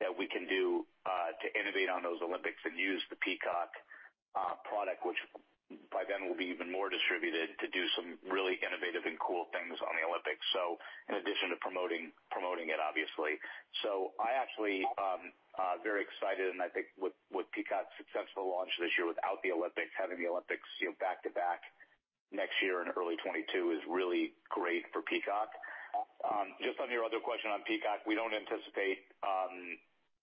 that we can do to innovate on those Olympics and use the Peacock product, which by then will be even more distributed to do some really innovative and cool things on the Olympics. In addition to promoting it, obviously. I actually very excited and I think with Peacock's successful launch this year without the Olympics, having the Olympics, you know, back to back next year and early 2022 is really great for Peacock. Just on your other question on Peacock, we don't anticipate,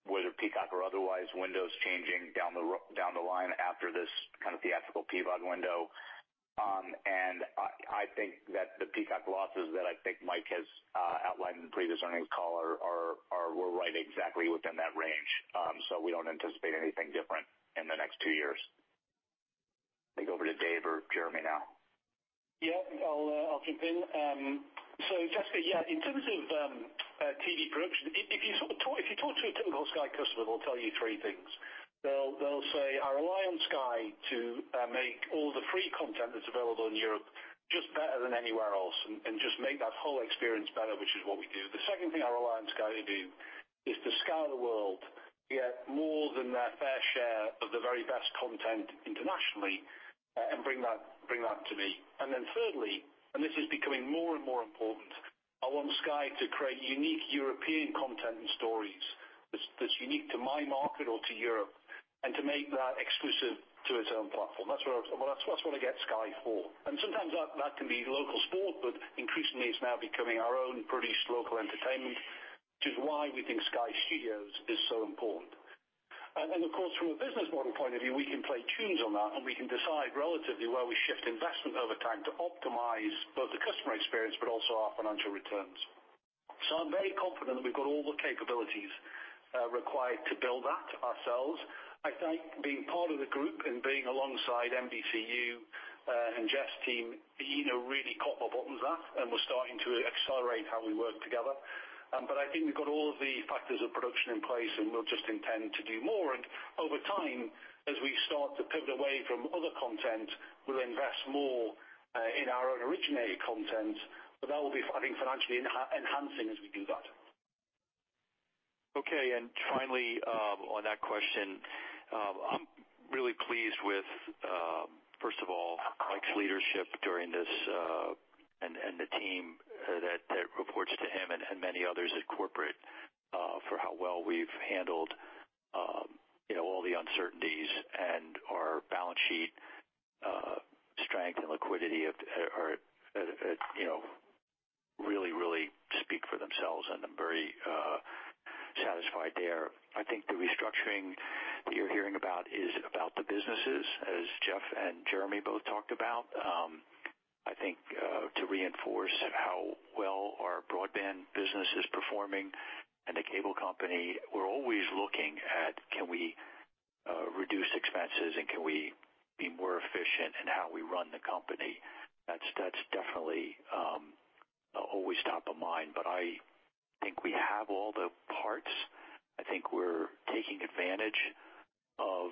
whether Peacock or otherwise, windows changing down the line after this kind of theatrical PVOD window. I think that the Peacock losses that I think Mike has outlined in the previous earnings call were right exactly within that range. We don't anticipate anything different in the next two years. Think over to Dave or Jeremy now. I'll jump in. Jessica, in terms of TV production, if you talk to a typical Sky customer, they'll tell you three things. They'll say, "I rely on Sky to make all the free content that's available in Europe just better than anywhere else and just make that whole experience better," which is what we do. The second thing I rely on Sky to do is to scour the world, get more than their fair share of the very best content internationally and bring that to me. Then thirdly, this is becoming more and more important, I want Sky to create unique European content and stories that's unique to my market or to Europe, and to make that exclusive to its own platform. That's what I get Sky for. Sometimes that can be local sport, but increasingly it's now becoming our own produced local entertainment, which is why we think Sky Studios is so important. Of course, from a business model point of view, we can play tunes on that, and we can decide relatively where we shift investment over time to optimize both the customer experience but also our financial returns. I'm very confident that we've got all the capabilities required to build that ourselves. I think being part of the group and being alongside NBCU, and Jeff's team being a really, <inaudible> and we're starting to accelerate how we work together. I think we've got all of the factors of production in place, and we'll just intend to do more. Over time, as we start to pivot away from other content, we'll invest more in our own originated content, but that will be, I think, financially enhancing as we do that. Okay. Finally, on that question, I'm really pleased with, first of all, Mike's leadership during this, and the team that reports to him and many others at corporate, for how well we've handled, you know, all the uncertainties and our balance sheet strength and liquidity at, you know, really speak for themselves, and I'm very satisfied there. I think the restructuring that you're hearing about is about the businesses, as Jeff and Jeremy both talked about. I think to reinforce how well our broadband business is performing and the cable company, we're always looking at can we reduce expenses, and can we be more efficient in how we run the company. That's definitely, always top of mind, but I think we have all the parts. I think we're taking advantage of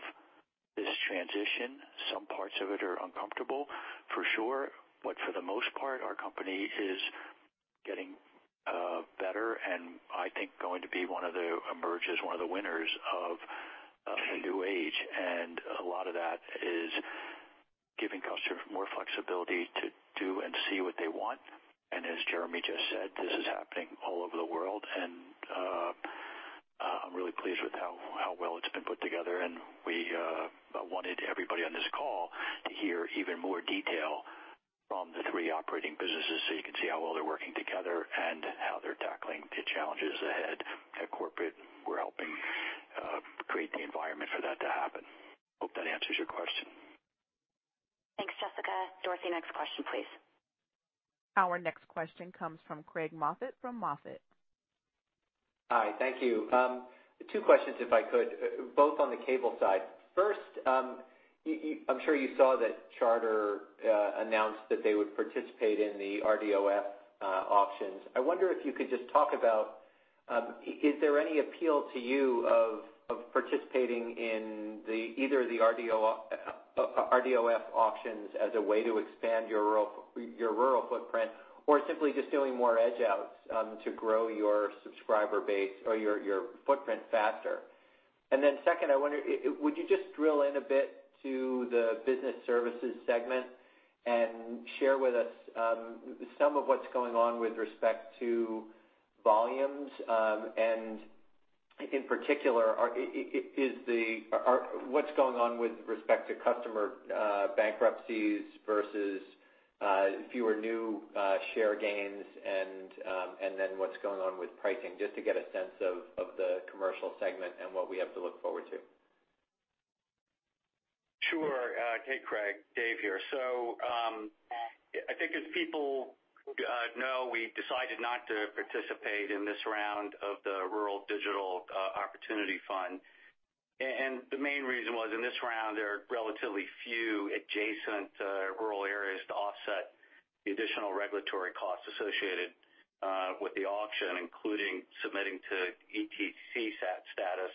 this transition. Some parts of it are uncomfortable, for sure. For the most part, our company is getting better, and I think going to be one of the emerges, one of the winners of the new age. A lot of that is giving customers more flexibility to do and see what they want. As Jeremy just said, this is happening all over the world. I'm really pleased with how well it's been put together. I wanted everybody on this call to hear even more detail from the three operating businesses, so you can see how well they're working together and how they're tackling the challenges ahead. At corporate, we're helping create the environment for that to happen. Hope that answers your question. Thanks, Jessica. Dorothy, next question, please. Our next question comes from Craig Moffett from MoffettNathanson. Hi, thank you. Two questions, if I could, both on the cable side. First, I'm sure you saw that Charter announced that they would participate in the RDOF auctions. I wonder if you could just talk about, is there any appeal to you of participating in either the RDOF auctions as a way to expand your rural footprint or simply just doing more edge outs to grow your subscriber base or your footprint faster? Second, I wonder, would you just drill in a bit to the business services segment and share with us, some of what's going on with respect to volumes, and in particular, what's going on with respect to customer bankruptcies versus fewer new share gains, and then what's going on with pricing, just to get a sense of the commercial segment and what we have to look forward to? Sure, hey, Craig. Dave here. I think as people know, we decided not to participate in this round of the Rural Digital Opportunity Fund. The main reason was in this round, there are relatively few adjacent rural areas to offset the additional regulatory costs associated with the auction, including submitting to ETC status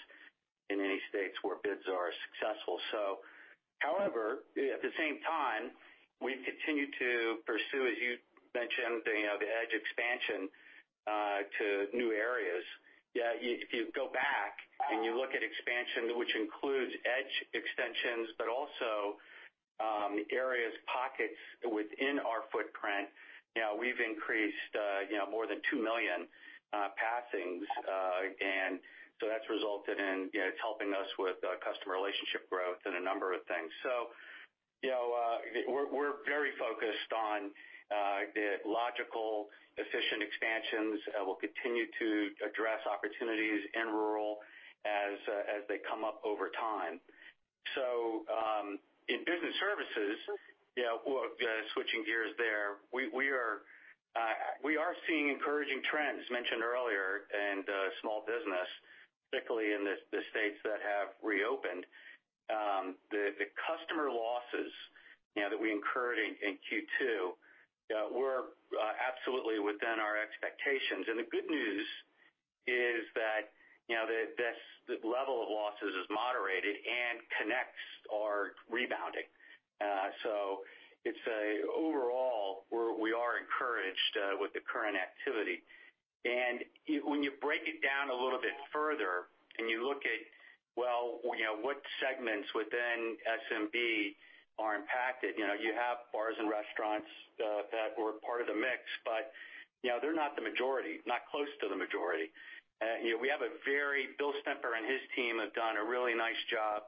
in any states where bids are successful. However, at the same time, we've continued to pursue, as you mentioned, you know, the edge expansion to new areas. You, if you go back and you look at expansion, which includes edge extensions, but also areas, pockets within our footprint, you know, we've increased, you know, more than two million passings. That's resulted in, you know, it's helping us with customer relationship growth and a number of things. You know, we're very focused on the logical, efficient expansions. We'll continue to address opportunities in rural as they come up over time. In business services, well, switching gears there, we are seeing encouraging trends mentioned earlier in small business, particularly in the states that have reopened. The customer losses, you know, that we incurred in Q2, were absolutely within our expectations. The good news is that, you know, the level of losses has moderated and connects are rebounding. It's a overall we are encouraged with the current activity. When you break it down a little bit further and you look at, well, you know, what segments within SMB are impacted, you know, you have bars and restaurants that were part of the mix, but, you know, they're not the majority, not close to the majority. You know, we have a very Bill Stemper and his team have done a really nice job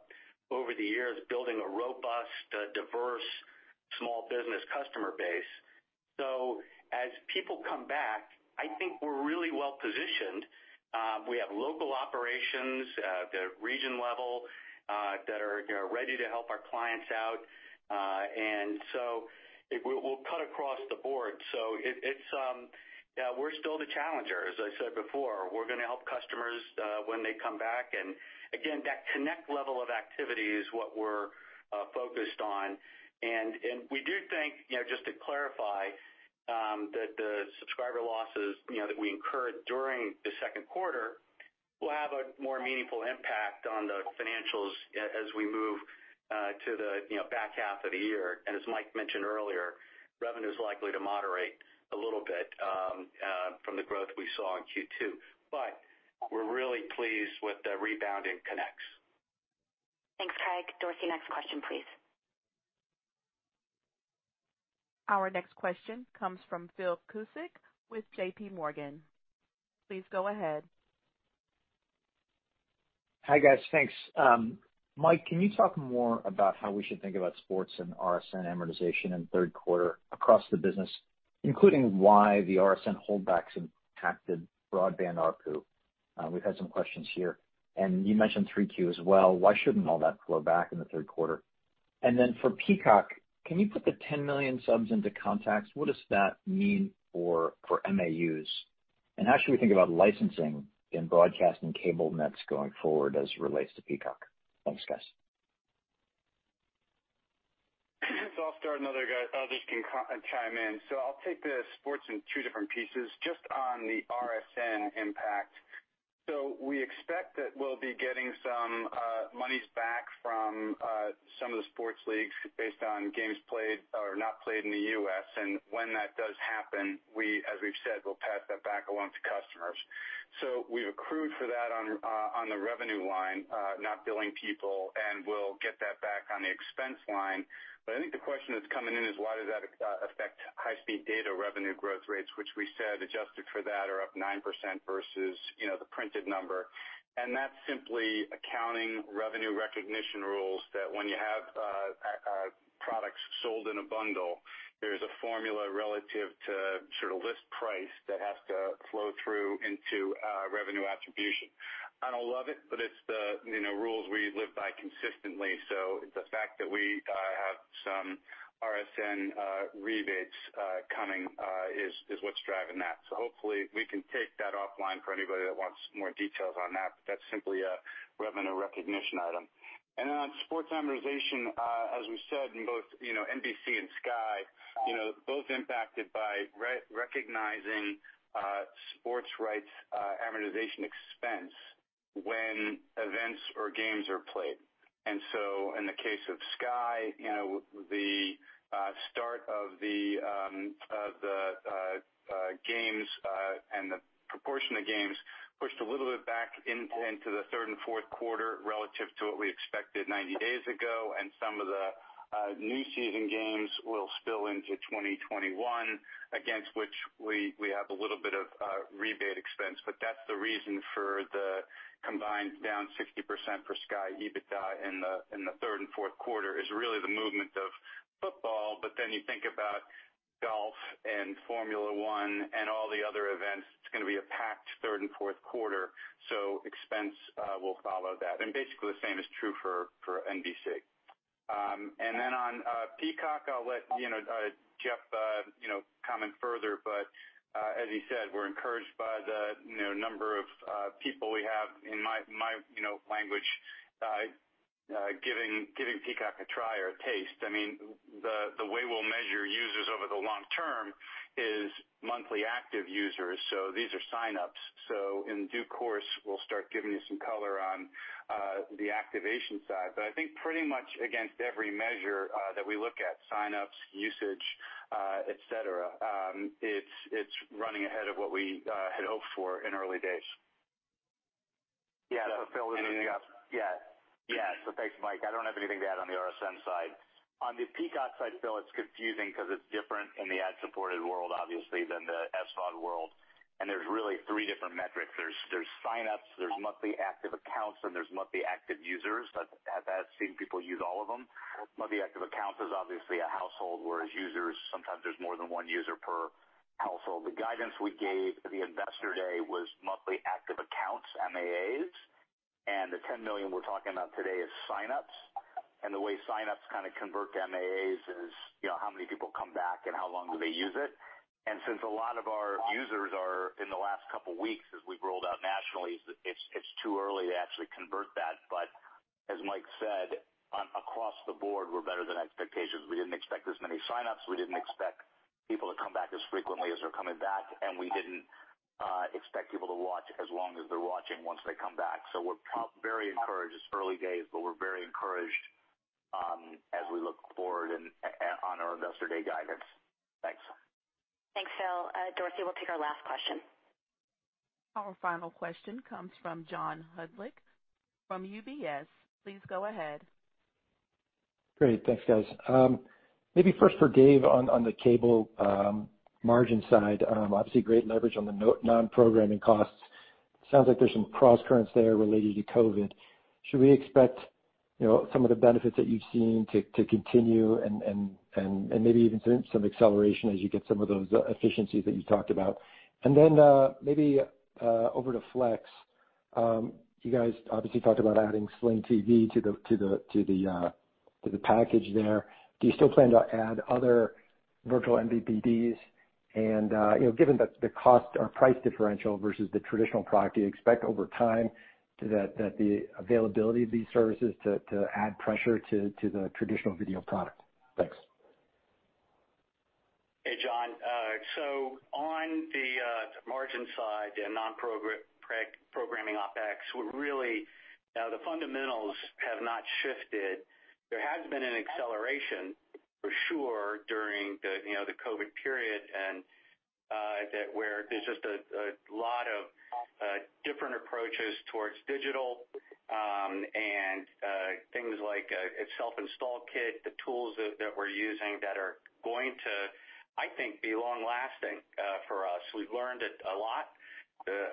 over the years building a robust, diverse small business customer base. As people come back, I think we're really well-positioned. We have local operations at the region level that are, you know, ready to help our clients out. It will cut across the board. It's, yeah, we're still the challenger, as I said before. We're gonna help customers when they come back. Again, that connect level of activity is what we're focused on. We do think, you know, just to clarify, that the subscriber losses, you know, that we incurred during the Q2 will have a more meaningful impact on the financials as we move to the, you know, back half of the year. As Mike mentioned earlier, revenue's likely to moderate a little bit from the growth we saw in Q2. We're really pleased with the rebound in connects. Thanks, Craig. Dorothy, next question, please. Our next question comes from Philip Cusick with JPMorgan. Please go ahead. Hi, guys. Thanks. Mike, can you talk more about how we should think about sports and RSN amortization in Q3 across the business, including why the RSN holdbacks impacted broadband ARPU? We've had some questions here. You mentioned Q3 as well. Why shouldn't all that flow back in the Q3? For Peacock, can you put the 10 million subs into context? What does that mean for MAUs? How should we think about licensing in broadcast and cable nets going forward as it relates to Peacock? Thanks, guys. I'll start, and others can co-chime in. I'll take the sports in two different pieces, just on the RSN impact. We expect that we'll be getting some monies back from some of the sports leagues based on games played or not played in the U.S. When that does happen, we, as we've said, will pass that back along to customers. We've accrued for that on the revenue line, not billing people, and we'll get that back on the expense line. I think the question that's coming in is why does that affect high-speed data revenue growth rates, which we said adjusted for that are up 9% versus, you know, the printed number. That's simply accounting revenue recognition rules that when you have products sold in a bundle, there's a formula relative to sort of list price that has to flow through into revenue attribution. I don't love it, but it's the, you know, rules we live by consistently. The fact that we have some RSN rebates coming is what's driving that. Hopefully we can take that offline for anybody that wants more details on that, but that's simply a revenue recognition item. On sports amortization, as we said in both, you know, NBC and Sky, you know, both impacted by re-recognizing sports rights amortization expense when events or games are played. In the case of Sky, you know, the start of the games and the proportion of games pushed a little bit back into the third and Q4 relative to what we expected 90 days ago, and some of the new season games will spill into 2021, against which we have a little bit of rebate expense. That's the reason for the combined down 60% for Sky EBITDA in the third and Q4 is really the movement of football. You think about golf and Formula One and all the other events, it's going to be a packed third and Q4. Expense will follow that. Basically the same is true for NBC. Then on Peacock, I'll let, you know, Jeff, you know, comment further. As he said, we're encouraged by the, you know, number of people we have in my, you know, language, giving Peacock a try or a taste. I mean, the way we'll measure users over the long term is monthly active users. These are signups. In due course, we'll start giving you some color on the activation side. I think pretty much against every measure that we look at, signups, usage, et cetera, it's running ahead of what we had hoped for in early days. Yeah. And- Yeah. Yeah. Thanks, Mike. I don't have anything to add on the RSN side. On the Peacock side, Phil, it's confusing 'cause it's different in the ad-supported world, obviously, than the SVOD world, and there's really 3 different metrics. There's signups, there's monthly active accounts, and there's monthly active users. I've seen people use all of them. Monthly active Account is obviously a household, whereas users, sometimes there's more than one user per household. The guidance we gave at the Investor Day was monthly active accounts, MAAs, the 10 million we're talking about today is sign-ups. The way sign-ups kind of convert to MAAs is, you know, how many people come back and how long do they use it. Since a lot of our users are in the last couple weeks as we've rolled out nationally, it's too early to actually convert that. As Mike said, across the board, we're better than expectations. We didn't expect this many sign-ups. We didn't expect people to come back as frequently as they're coming back, we didn't expect people to watch as long as they're watching once they come back. We're very encouraged. It's early days, but we're very encouraged, as we look forward and on our Investor Day guidance. Thanks. Thanks, Phil. Dorothy, we'll take our last question. Our final question comes from John Hodulik from UBS. Please go ahead. Great. Thanks, guys. Maybe first for Dave on the Cable margin side. Obviously great leverage on the non-programming costs. Sounds like there's some crosscurrents there related to COVID-19. Should we expect, you know, some of the benefits that you've seen to continue and maybe even some acceleration as you get some of those efficiencies that you talked about? Then maybe over to Flex. You guys obviously talked about adding Sling TV to the package there. Do you still plan to add other virtual MVPDs? You know, given the cost or price differential versus the traditional product, do you expect over time that the availability of these services to add pressure to the traditional video product? Thanks. Hey, John. On the margin side and programming OpEx, Now, the fundamentals have not shifted. There has been an acceleration for sure during the, you know, the COVID period and that where there's just a lot of different approaches towards digital and things like a self-install kit, the tools that we're using that are going to, I think, be long-lasting for us. We've learned a lot.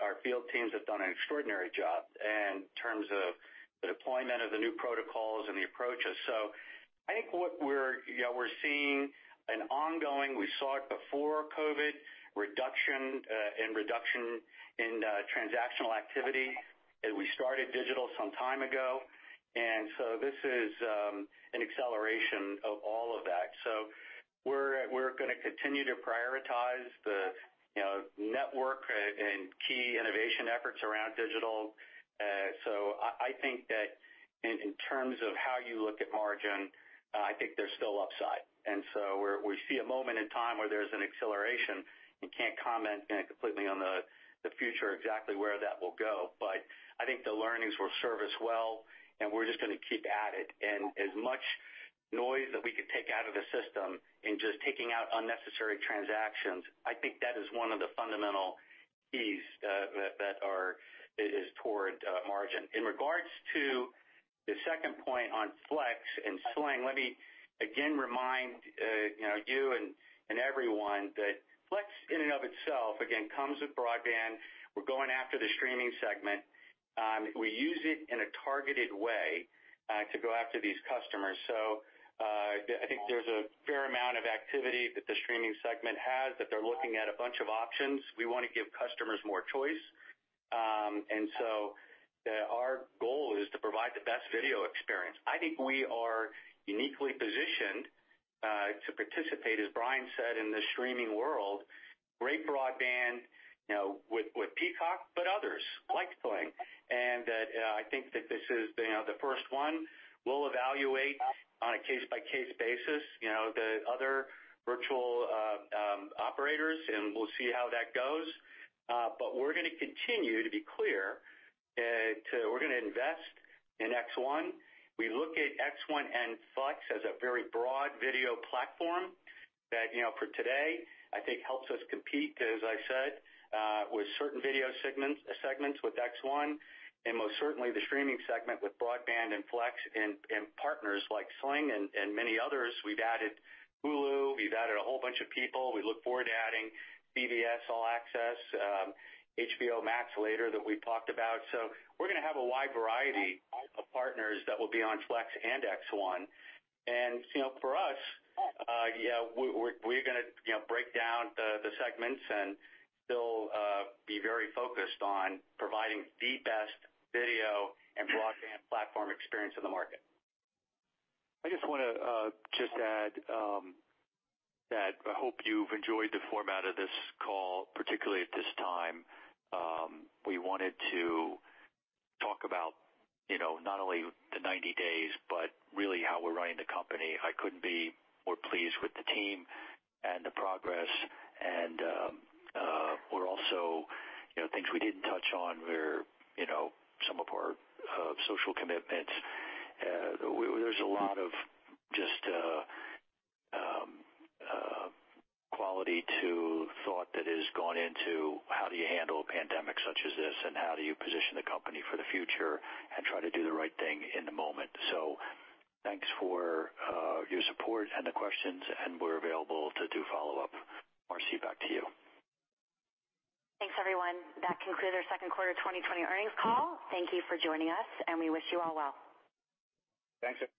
Our field teams have done an extraordinary job in terms of the deployment of the new protocols and the approaches. I think what we're, you know, we're seeing an ongoing, we saw it before COVID, reduction in transactional activity. We started digital some time ago. This is an acceleration of all of that. We're gonna continue to prioritize the, you know, network and key innovation efforts around digital. I think that in terms of how you look at margin, I think there's still upside. We see a moment in time where there's an acceleration and can't comment, you know, completely on the future exactly where that will go. I think the learnings will serve us well, and we're just gonna keep at it. As much noise that we could take out of the system in just taking out unnecessary transactions, I think that is one of the fundamental keys that are toward margin. In regards to the second point on Flex and Sling, let me again remind, you know, you and everyone that Flex in and of itself, again, comes with broadband. We're going after the streaming segment. We use it in a targeted way to go after these customers. I think there's a fair amount of activity that the streaming segment has, that they're looking at a bunch of options. We wanna give customers more choice. Our goal is to provide the best video experience. I think we are uniquely positioned to participate, as Brian said, in the streaming world. Great broadband, you know, with Peacock, but others like Sling. I think that this is, you know, the first one. We'll evaluate on a case-by-case basis, you know, the other virtual operators, and we'll see how that goes. We're gonna continue to be clear. We're gonna invest in X1. We look at X1 and Flex as a very broad video platform that, you know, for today, I think helps us compete, as I said, with certain video segments with X1, and most certainly the streaming segment with broadband and Flex and partners like Sling and many others. We've added Hulu. We've added a whole bunch of people. We look forward to adding CBS All Access, HBO Max later that we talked about. We're gonna have a wide variety of partners that will be on Flex and X1. You know, for us, yeah, we're gonna, you know, break down the segments and still be very focused on providing the best video and broadband platform experience in the market. I just wanna just add that I hope you've enjoyed the format of this call, particularly at this time. We wanted to talk about, you know, not only the 90 days, but really how we're running the company. I couldn't be more pleased with the team and the progress and we're also, you know, things we didn't touch on were, you know, some of our social commitments. There's a lot of just quality to thought that has gone into how do you handle a pandemic such as this, and how do you position the company for the future and try to do the right thing in the moment. Thanks for your support and the questions, and we're available to do follow-up. Marci, back to you. Thanks, everyone. That concludes our Q2 2020 Earnings Call. Thank you for joining us, and we wish you all well. Thanks, everyone.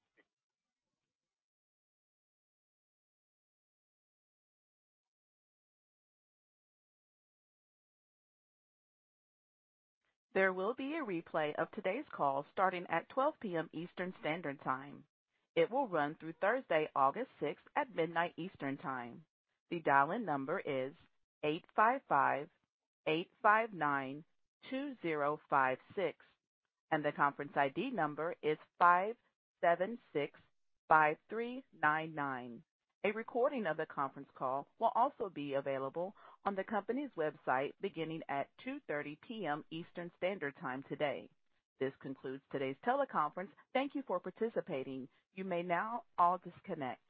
There will be a replay of today's call starting at 12:00 P.M. Eastern Standard Time. It will run through Thursday, August sixth at midnight Eastern Time. The dial-in number is 855-859-2056, and the conference ID number is 5765399. A recording of the conference call will also be available on the company's website beginning at 2:30 P.M. Eastern Standard Time today. This concludes today's teleconference. Thank you for participating. You may now all disconnect.